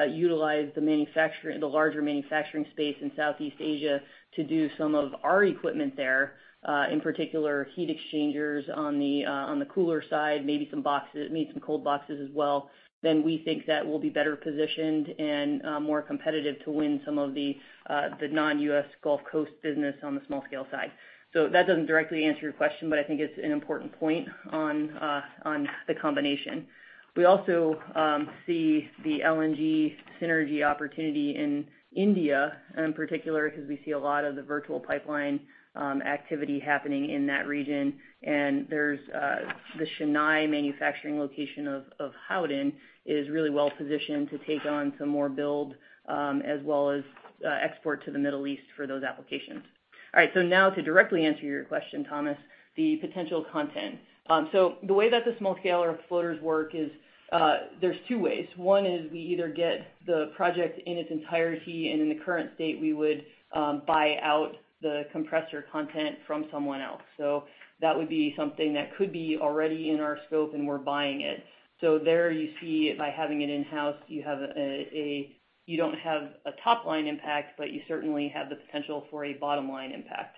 utilize the larger manufacturing space in Southeast Asia to do some of our equipment there, in particular heat exchangers on the cooler side, maybe some boxes, maybe some cold boxes as well, then we think that we'll be better positioned and more competitive to win some of the non-U.S. Gulf Coast business on the small scale side. That doesn't directly answer your question, but I think it's an important point on the combination. We also see the LNG synergy opportunity in India, and in particular because we see a lot of the virtual pipeline activity happening in that region. There's the Chennai manufacturing location of Howden is really well positioned to take on some more build, as well as export to the Middle East for those applications. All right, now to directly answer your question, Thomas, the potential content. The way that the small scale or floaters work is, there's two ways. One is we either get the project in its entirety, and in the current state, we would buy out the compressor content from someone else. That would be something that could be already in our scope, and we're buying it. There you see by having it in-house, you don't have a top line impact, but you certainly have the potential for a bottom line impact.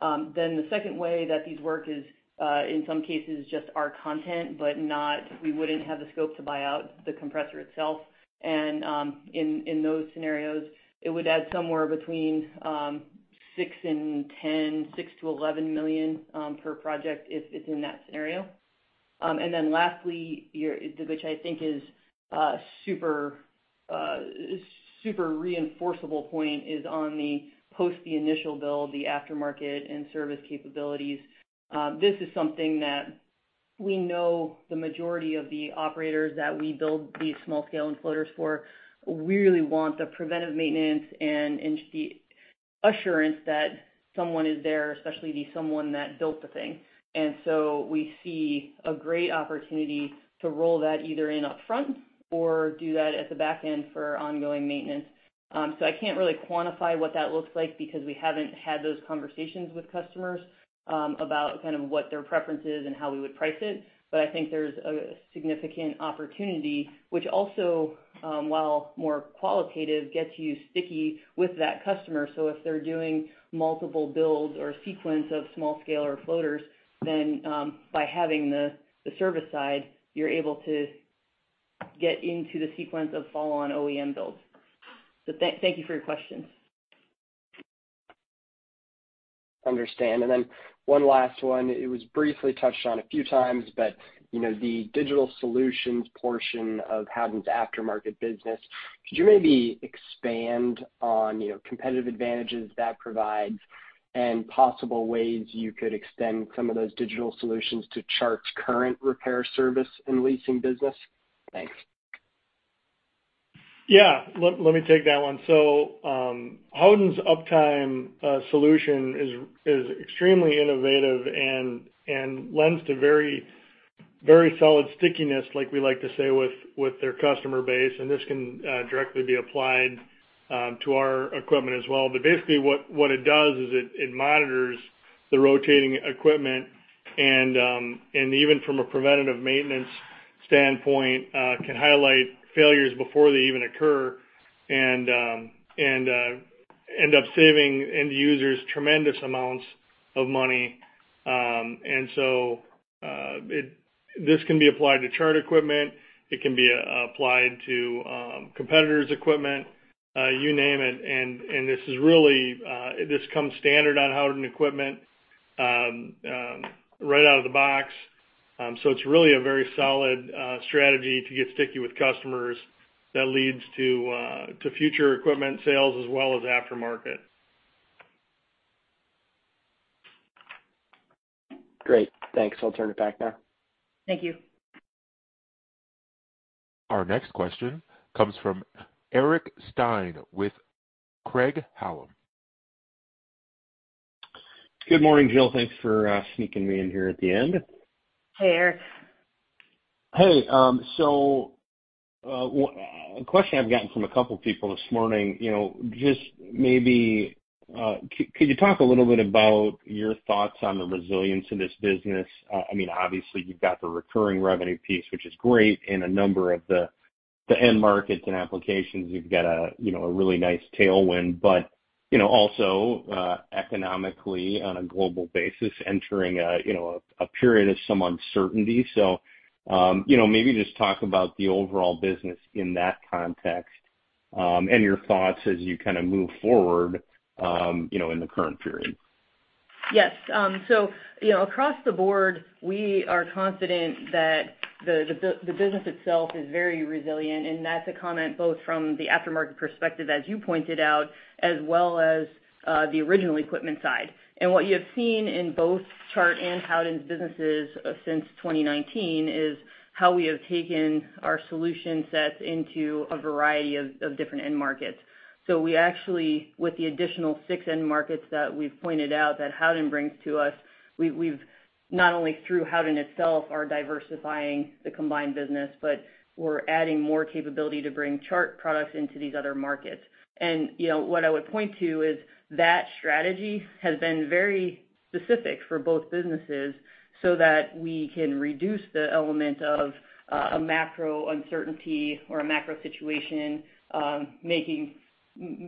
The second way that these work is in some cases just our content, but not we wouldn't have the scope to buy out the compressor itself. In those scenarios, it would add somewhere between $6 million-$11 million per project if it's in that scenario. Lastly, your which I think is super reinforcing point is on the post the initial build, the aftermarket and service capabilities. This is something that we know the majority of the operators that we build these small scale and floaters for really want the preventive maintenance and the assurance that someone is there, especially the someone that built the thing. We see a great opportunity to roll that either in upfront or do that at the back end for ongoing maintenance. I can't really quantify what that looks like because we haven't had those conversations with customers about kind of what their preference is and how we would price it. I think there's a significant opportunity, which also, while more qualitative, gets you sticky with that customer. If they're doing multiple builds or sequence of small scale or floaters, then by having the service side, you're able to get into the sequence of follow-on OEM builds. Thank you for your question. Understand. One last one, it was briefly touched on a few times, but, you know, the digital solutions portion of Howden's aftermarket business, could you maybe expand on, you know, competitive advantages that provides and possible ways you could extend some of those digital solutions to Chart's current repair service and leasing business? Thanks. Yeah. Let me take that one. Howden Uptime solution is extremely innovative and lends to very solid stickiness, like we like to say, with their customer base, and this can directly be applied to our equipment as well. Basically what it does is it monitors the rotating equipment and even from a preventative maintenance standpoint can highlight failures before they even occur and end up saving end users tremendous amounts of money. This can be applied to Chart equipment. It can be applied to competitors' equipment, you name it. This comes standard on Howden equipment right out of the box. It's really a very solid strategy to get sticky with customers that leads to future equipment sales as well as aftermarket. Great. Thanks. I'll turn it back now. Thank you. Our next question comes from Eric Stine with Craig-Hallum. Good morning, Jill. Thanks for sneaking me in here at the end. Hey, Eric. Hey, a question I've gotten from a couple people this morning, you know, just maybe, could you talk a little bit about your thoughts on the resilience in this business? I mean, obviously you've got the recurring revenue piece, which is great, in a number of the end markets and applications. You've got a, you know, a really nice tailwind, but, you know, also, economically on a global basis, entering a, you know, a period of some uncertainty. You know, maybe just talk about the overall business in that context, and your thoughts as you kind of move forward, you know, in the current period. Yes. You know, across the board, we are confident that the business itself is very resilient, and that's a comment both from the aftermarket perspective, as you pointed out, as well as the original equipment side. What you have seen in both Chart and Howden's businesses since 2019 is how we have taken our solution sets into a variety of different end markets. We actually, with the additional six end markets that we've pointed out that Howden brings to us, we've not only through Howden itself are diversifying the combined business, but we're adding more capability to bring Chart products into these other markets. You know, what I would point to is that strategy has been very specific for both businesses so that we can reduce the element of a macro uncertainty or a macro situation,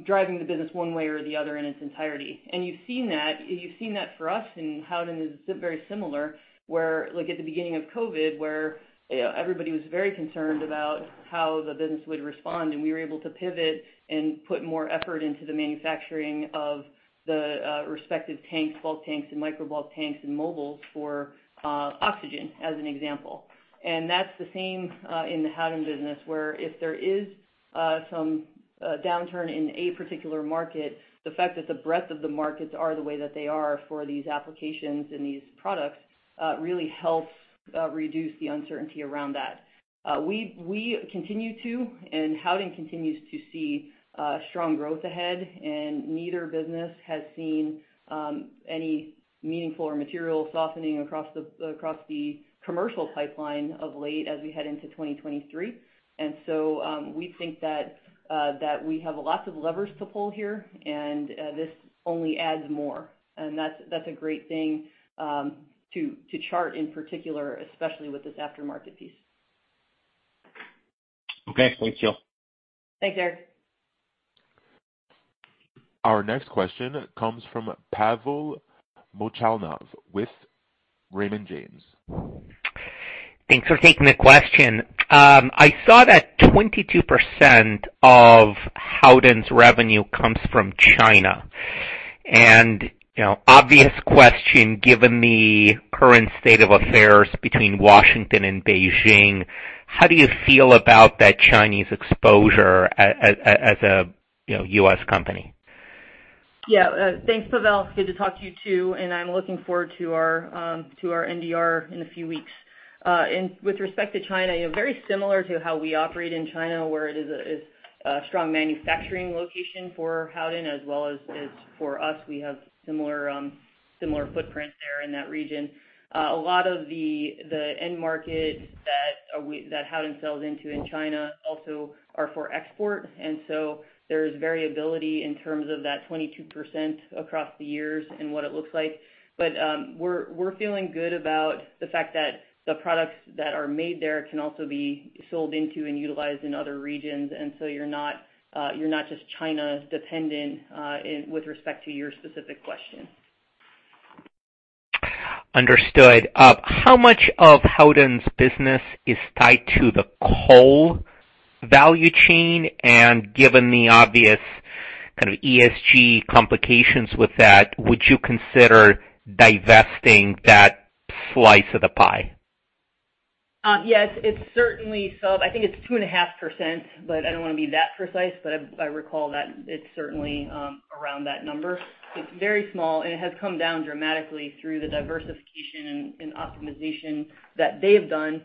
driving the business one way or the other in its entirety. You've seen that for us, and Howden is very similar, where like at the beginning of COVID, where you know, everybody was very concerned about how the business would respond, and we were able to pivot and put more effort into the manufacturing of the respective tanks, bulk tanks and micro bulk tanks and mobiles for oxygen, as an example. That's the same in the Howden business, where if there is some downturn in a particular market, the fact that the breadth of the markets are the way that they are for these applications and these products really helps reduce the uncertainty around that. We continue to, and Howden continues to see strong growth ahead, and neither business has seen any meaningful or material softening across the commercial pipeline of late as we head into 2023. We think that we have lots of levers to pull here, and this only adds more. That's a great thing to Chart in particular, especially with this aftermarket piece. Okay. Thank you. Thanks, Eric. Our next question comes from Pavel Molchanov with Raymond James. Thanks for taking the question. I saw that 22% of Howden's revenue comes from China. You know, obvious question, given the current state of affairs between Washington and Beijing, how do you feel about that Chinese exposure as a, you know, U.S. company? Yeah. Thanks, Pavel. Good to talk to you too, and I'm looking forward to our NDR in a few weeks. With respect to China, you know, very similar to how we operate in China, where it is a strong manufacturing location for Howden as well as for us. We have similar footprint there in that region. A lot of the end markets that Howden sells into in China also are for export, and so there's variability in terms of that 22% across the years and what it looks like. We're feeling good about the fact that the products that are made there can also be sold into and utilized in other regions. You're not just China-dependent with respect to your specific question. Understood. How much of Howden's business is tied to the coal value chain? Given the obvious kind of ESG complications with that, would you consider divesting that slice of the pie? Yes. It's certainly. I think it's 2.5%, but I don't wanna be that precise, but I recall that it's certainly around that number. It's very small, and it has come down dramatically through the diversification and optimization that they've done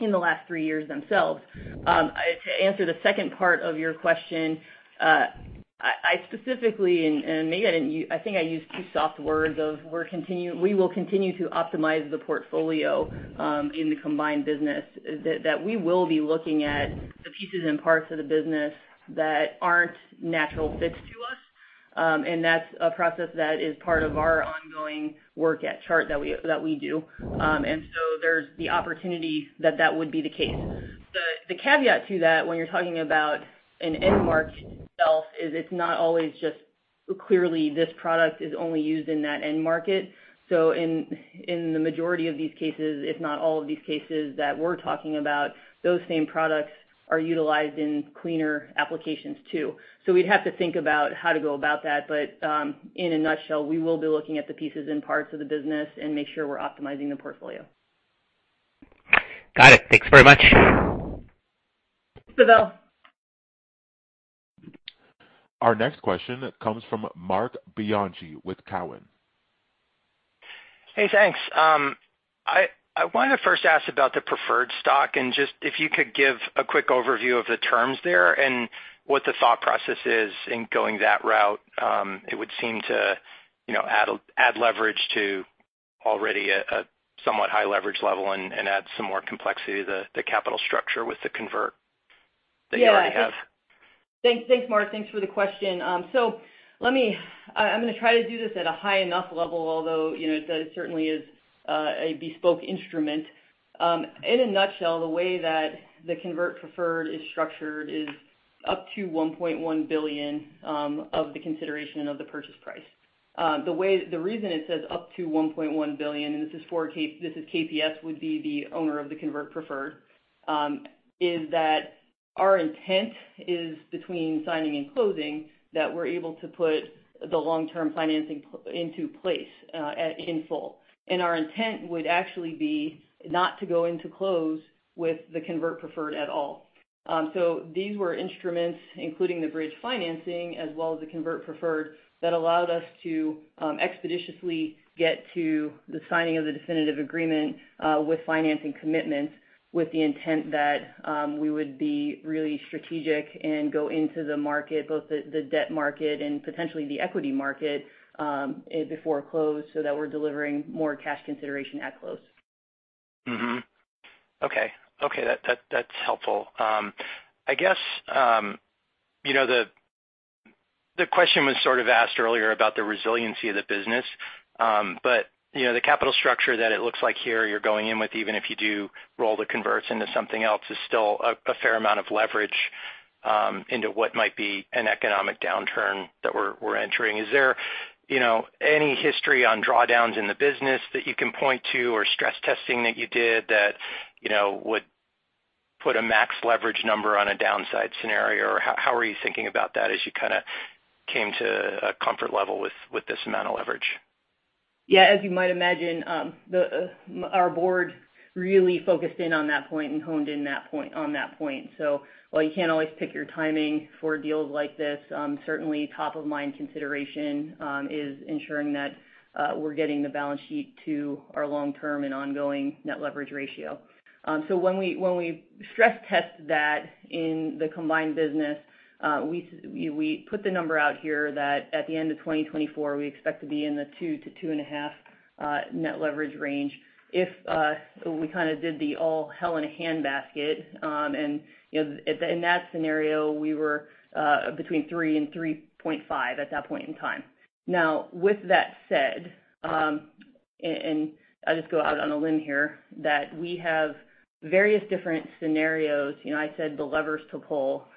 in the last three years themselves. To answer the second part of your question, I specifically, and maybe I didn't. I think I used too soft words of we will continue to optimize the portfolio in the combined business. That we will be looking at the pieces and parts of the business that aren't natural fits to us, and that's a process that is part of our ongoing work at Chart that we do. There's the opportunity that that would be the case. The caveat to that when you're talking about an end market itself is it's not always just clearly this product is only used in that end market. In the majority of these cases, if not all of these cases that we're talking about, those same products are utilized in cleaner applications too. We'd have to think about how to go about that. In a nutshell, we will be looking at the pieces and parts of the business and make sure we're optimizing the portfolio. Got it. Thanks very much. Thanks, Pavel. Our next question comes from Marc Bianchi with Cowen. Hey, thanks. I wanted to first ask about the preferred stock and just if you could give a quick overview of the terms there and what the thought process is in going that route. It would seem to, you know, add leverage to already a somewhat high leverage level and add some more complexity to the capital structure with the convert that you already have. Yeah. Thanks, Marc. Thanks for the question. I'm gonna try to do this at a high enough level, although, you know, it certainly is a bespoke instrument. In a nutshell, the way that the convertible preferred is structured is up to $1.1 billion of the consideration of the purchase price. The reason it says up to $1.1 billion, and this is for KPS would be the owner of the convertible preferred, is that our intent is between signing and closing that we're able to put the long-term financing into place in full. Our intent would actually be not to go into close with the convertible preferred at all. These were instruments, including the bridge financing as well as the convertible preferred, that allowed us to expeditiously get to the signing of the definitive agreement with financing commitments, with the intent that we would be really strategic and go into the market, both the debt market and potentially the equity market, before close so that we're delivering more cash consideration at close. Okay. Okay, that's helpful. I guess, you know, the question was sort of asked earlier about the resiliency of the business. You know, the capital structure that it looks like here you're going in with, even if you do roll the converts into something else, is still a fair amount of leverage into what might be an economic downturn that we're entering. Is there, you know, any history on drawdowns in the business that you can point to or stress testing that you did that, you know, would put a max leverage number on a downside scenario? Or how are you thinking about that as you kinda came to a comfort level with this amount of leverage? Yeah, as you might imagine, our board really focused in on that point and honed in on that point. While you can't always pick your timing for deals like this, certainly top of mind consideration is ensuring that we're getting the balance sheet to our long term and ongoing net leverage ratio. When we stress test that in the combined business, we put the number out here that at the end of 2024, we expect to be in the two to 2.5 net leverage range. If we kinda did the all hell in a handbasket, you know, in that scenario, we were between three to 3.5 at that point in time. Now with that said, I'll just go out on a limb here that we have various different scenarios. You know, I said the levers to pull.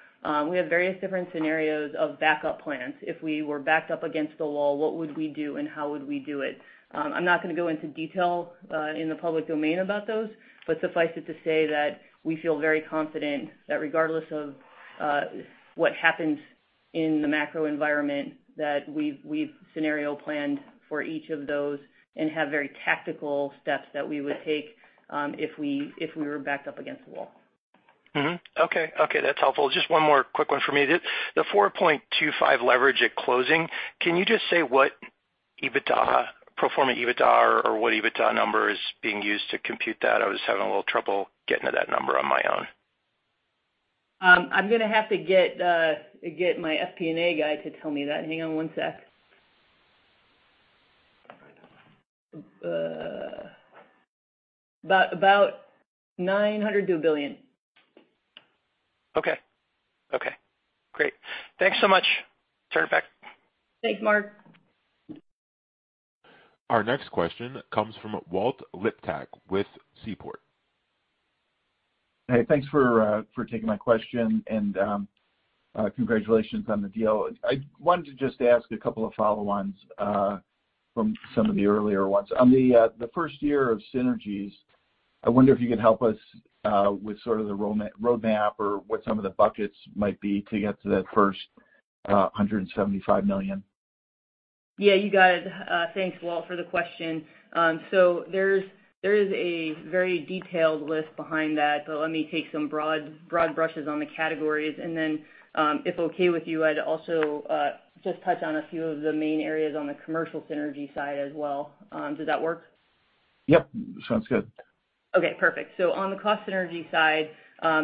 We have various different scenarios of backup plans. If we were backed up against the wall, what would we do, and how would we do it? I'm not gonna go into detail in the public domain about those, but suffice it to say that we feel very confident that regardless of what happens in the macro environment, that we've scenario planned for each of those and have very tactical steps that we would take if we were backed up against the wall. Mm-hmm. Okay. Okay, that's helpful. Just one more quick one for me. The 4.25 leverage at closing, can you just say what EBITDA, pro forma EBITDA or what EBITDA number is being used to compute that? I was having a little trouble getting to that number on my own. I'm gonna have to get my FP&A guy to tell me that. Hang on one sec. About $900 million-$1 billion. Okay. Okay, great. Thanks so much. Turn it back. Thanks, Marc. Our next question comes from Walt Liptak with Seaport. Hey, thanks for taking my question and congratulations on the deal. I wanted to just ask a couple of follow-ons from some of the earlier ones. On the first year of synergies, I wonder if you could help us with sort of the roadmap or what some of the buckets might be to get to that first $175 million. Yeah, you got it. Thanks, Walt, for the question. There is a very detailed list behind that, but let me take some broad brushes on the categories. Then, if okay with you, I'd also just touch on a few of the main areas on the commercial synergy side as well. Does that work? Yep. Sounds good. Okay, perfect. On the cost synergy side,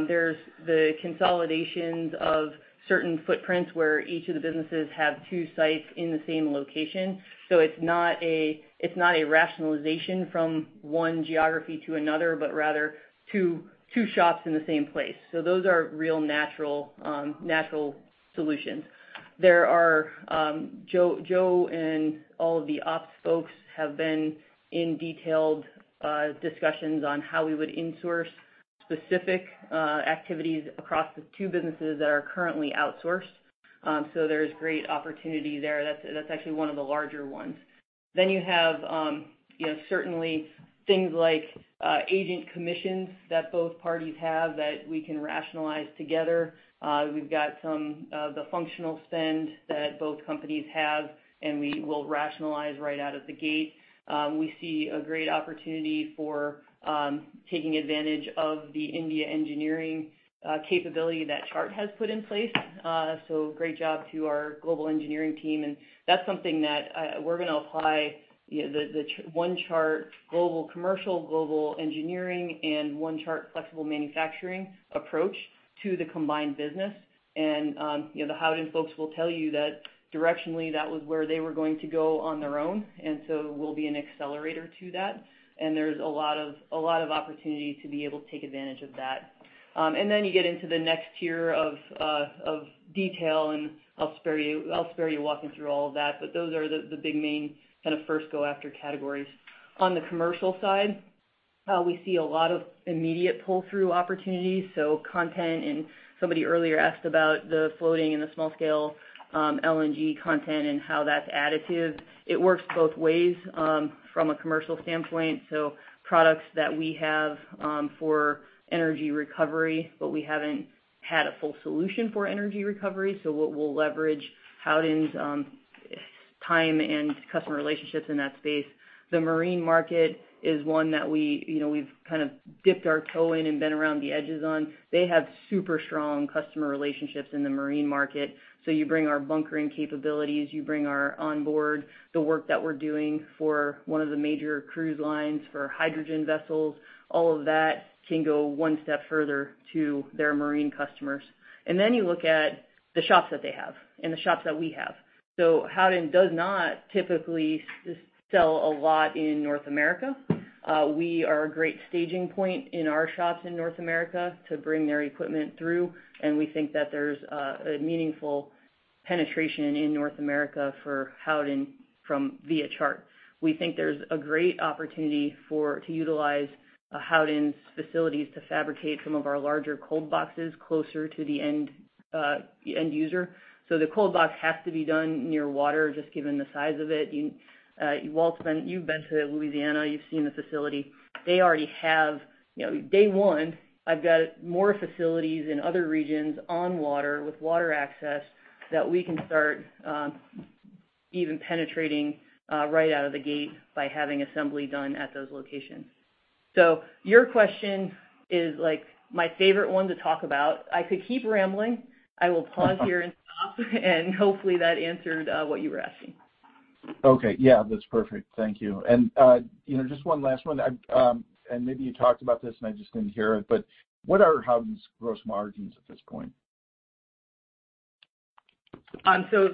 there's the consolidations of certain footprints where each of the businesses have two sites in the same location. It's not a rationalization from one geography to another, but rather two shops in the same place. Those are real natural solutions. Joe and all of the ops folks have been in detailed discussions on how we would insource specific activities across the two businesses that are currently outsourced. There's great opportunity there. That's actually one of the larger ones. Then you have, you know, certainly things like agent commissions that both parties have that we can rationalize together. We've got some of the functional spend that both companies have, and we will rationalize right out of the gate. We see a great opportunity for taking advantage of the Indian engineering capability that Chart has put in place. Great job to our global engineering team, and that's something that we're gonna apply, you know, the One Chart global commercial, global engineering and One Chart flexible manufacturing approach to the combined business. You know, the Howden folks will tell you that directionally, that was where they were going to go on their own. We'll be an accelerator to that. There's a lot of opportunity to be able to take advantage of that. You get into the next tier of detail, and I'll spare you walking through all of that. Those are the big main kind of first go after categories. On the commercial side, we see a lot of immediate pull-through opportunities, so content. Somebody earlier asked about the floating and the small scale LNG content and how that's additive. It works both ways from a commercial standpoint, so products that we have for energy recovery, but we haven't had a full solution for energy recovery. What we'll leverage Howden's Uptime and customer relationships in that space. The marine market is one that we, you know, we've kind of dipped our toe in and been around the edges on. They have super strong customer relationships in the marine market. You bring our bunkering capabilities, you bring our onboard, the work that we're doing for one of the major cruise lines for hydrogen vessels, all of that can go one step further to their marine customers. You look at the shops that they have and the shops that we have. Howden does not typically sell a lot in North America. We are a great staging point in our shops in North America to bring their equipment through, and we think that there's a meaningful penetration in North America for Howden via Chart. We think there's a great opportunity to utilize Howden's facilities to fabricate some of our larger cold boxes closer to the end user. The cold box has to be done near water, just given the size of it. You've been to Louisiana, you've seen the facility. They already have. You know, day one, I've got more facilities in other regions on water with water access that we can start even penetrating right out of the gate by having assembly done at those locations. Your question is, like, my favorite one to talk about. I could keep rambling. I will pause here and stop. Hopefully that answered what you were asking. Okay. Yeah, that's perfect. Thank you. You know, just one last one. Maybe you talked about this, and I just didn't hear it, but what are Howden's gross margins at this point?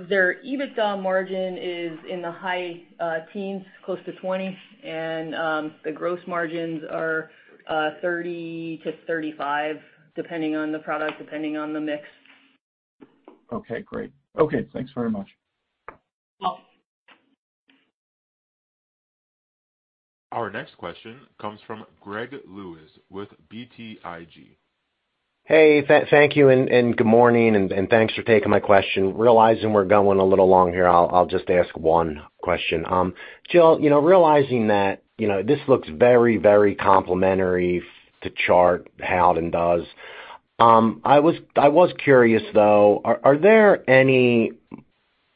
Their EBITDA margin is in the high teens, close to 20%. The gross margins are 30%-35%, depending on the product, depending on the mix. Okay, great. Okay, thanks very much. Welcome. Our next question comes from Greg Lewis with BTIG. Hey, thank you and good morning, and thanks for taking my question. Realizing we're going a little long here, I'll just ask one question. Jill, you know, realizing that, you know, this looks very complementary to Chart, Howden does. I was curious though, are there any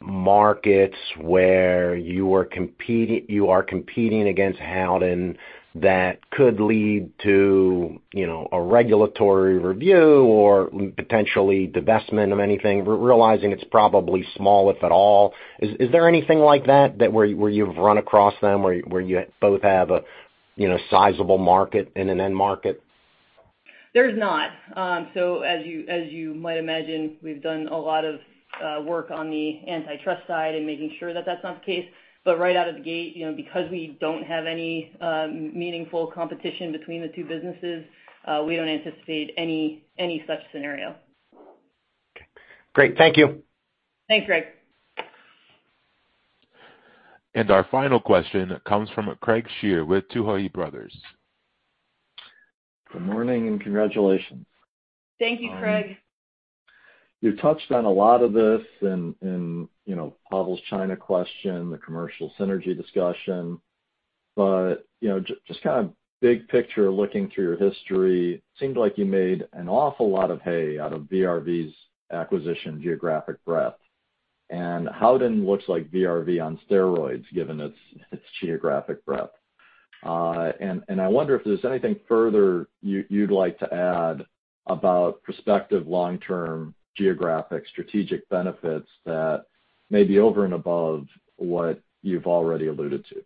markets where you are competing against Howden that could lead to, you know, a regulatory review or potentially divestment of anything? Realizing it's probably small, if at all. Is there anything like that where you've run across them, where you both have a, you know, sizable market in an end market? There's not. As you might imagine, we've done a lot of work on the antitrust side and making sure that that's not the case. Right out of the gate, you know, because we don't have any meaningful competition between the two businesses, we don't anticipate any such scenario. Okay. Great. Thank you. Thanks, Greg. Our final question comes from Craig Shere with Tuohy Brothers. Good morning and congratulations. Thank you, Craig. You touched on a lot of this in you know Pavel's China question, the commercial synergy discussion. You know just kind of big picture, looking through your history, seemed like you made an awful lot of hay out of VRV's acquisition geographic breadth. Howden looks like VRV on steroids, given its geographic breadth. I wonder if there's anything further you'd like to add about prospective long-term geographic strategic benefits that may be over and above what you've already alluded to.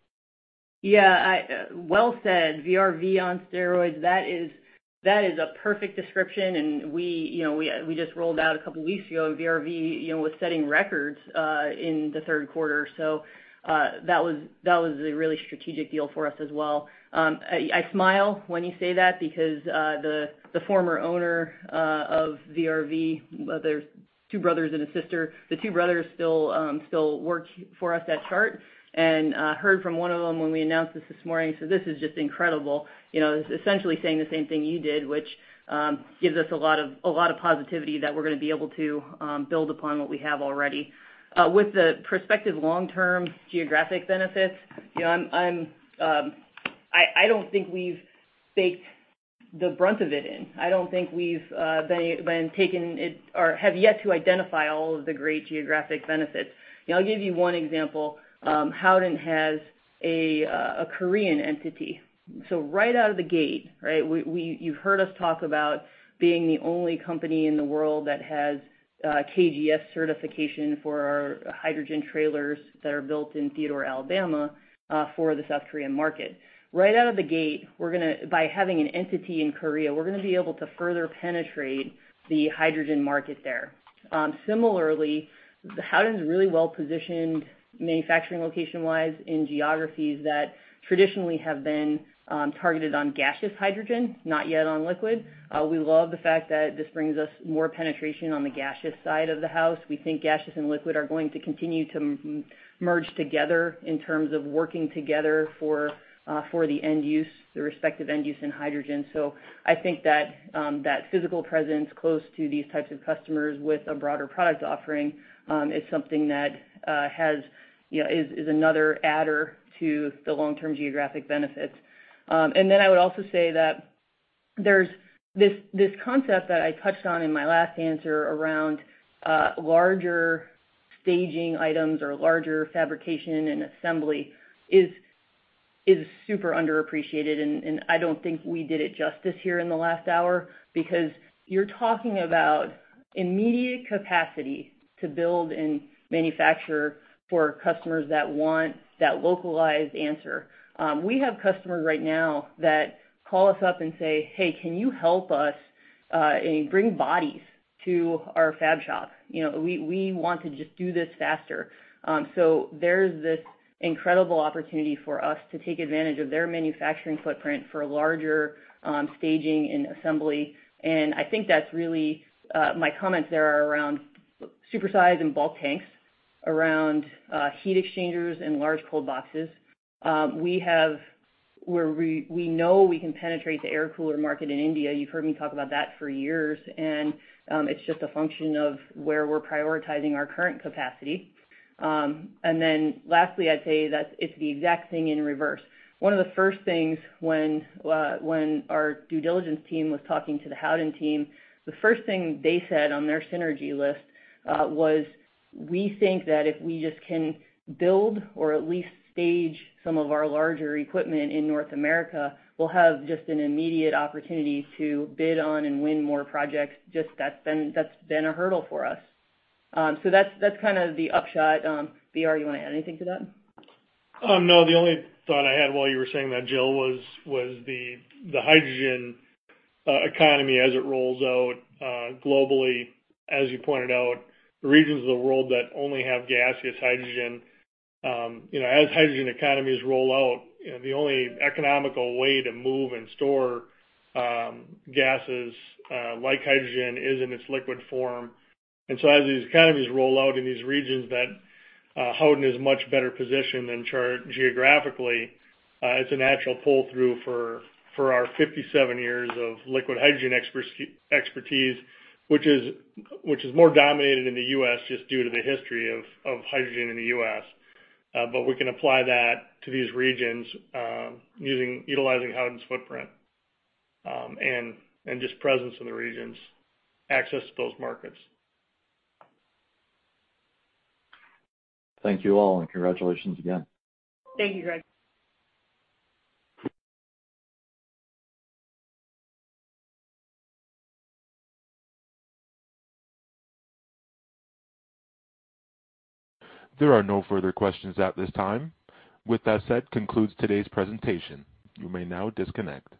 Yeah. Well said. VRV on steroids, that is a perfect description. We just rolled out a couple weeks ago. VRV was setting records in the Q3. That was a really strategic deal for us as well. I smile when you say that because the former owner of VRV, there's two brothers and a sister, the two brothers still work for us at Chart. I heard from one of them when we announced this morning. He said, "This is just incredible." Essentially saying the same thing you did, which gives us a lot of positivity that we're gonna be able to build upon what we have already. With the prospective long-term geographic benefits, you know, I don't think we've baked the brunt of it in. I don't think we've been taking it or have yet to identify all of the great geographic benefits. You know, I'll give you one example. Howden has a Korean entity. So right out of the gate, right, you've heard us talk about being the only company in the world that has KGS certification for our hydrogen trailers that are built in Theodore, Alabama, for the South Korean market. Right out of the gate, by having an entity in Korea, we're gonna be able to further penetrate the hydrogen market there. Similarly, Howden's really well-positioned manufacturing location-wise in geographies that traditionally have been targeted on gaseous hydrogen, not yet on liquid. We love the fact that this brings us more penetration on the gaseous side of the house. We think gaseous and liquid are going to continue to merge together in terms of working together for the end use, the respective end use in hydrogen. I think that physical presence close to these types of customers with a broader product offering is something that has, you know, is another adder to the long-term geographic benefits. I would also say that there's this concept that I touched on in my last answer around larger staging items or larger fabrication and assembly is super underappreciated, and I don't think we did it justice here in the last hour because you're talking about immediate capacity to build and manufacture for customers that want that localized answer. We have customers right now that call us up and say, "Hey, can you help us and bring bodies to our fab shop? You know, we want to just do this faster." There's this incredible opportunity for us to take advantage of their manufacturing footprint for larger staging and assembly. I think that's really my comments there are around supersize and bulk tanks, around heat exchangers and large cold boxes. We know we can penetrate the air cooler market in India. You've heard me talk about that for years, and it's just a function of where we're prioritizing our current capacity. Lastly, I'd say that it's the exact thing in reverse. One of the first things when our due diligence team was talking to the Howden team, the first thing they said on their synergy list was, "We think that if we just can build or at least stage some of our larger equipment in North America, we'll have just an immediate opportunity to bid on and win more projects, just that's been a hurdle for us." That's kind of the upshot. BR, you wanna add anything to that? No. The only thought I had while you were saying that, Jill, was the hydrogen economy as it rolls out globally. As you pointed out, regions of the world that only have gaseous hydrogen, you know, as hydrogen economies roll out, you know, the only economical way to move and store gases like hydrogen is in its liquid form. As these economies roll out in these regions that Howden is much better positioned than Chart geographically, it's a natural pull-through for our 57 years of liquid hydrogen expertise, which is more dominated in the U.S. just due to the history of hydrogen in the U.S. We can apply that to these regions, utilizing Howden's footprint and just presence in the regions, access to those markets. Thank you all, and congratulations again. Thank you, Craig. There are no further questions at this time. With that said, concludes today's presentation. You may now disconnect.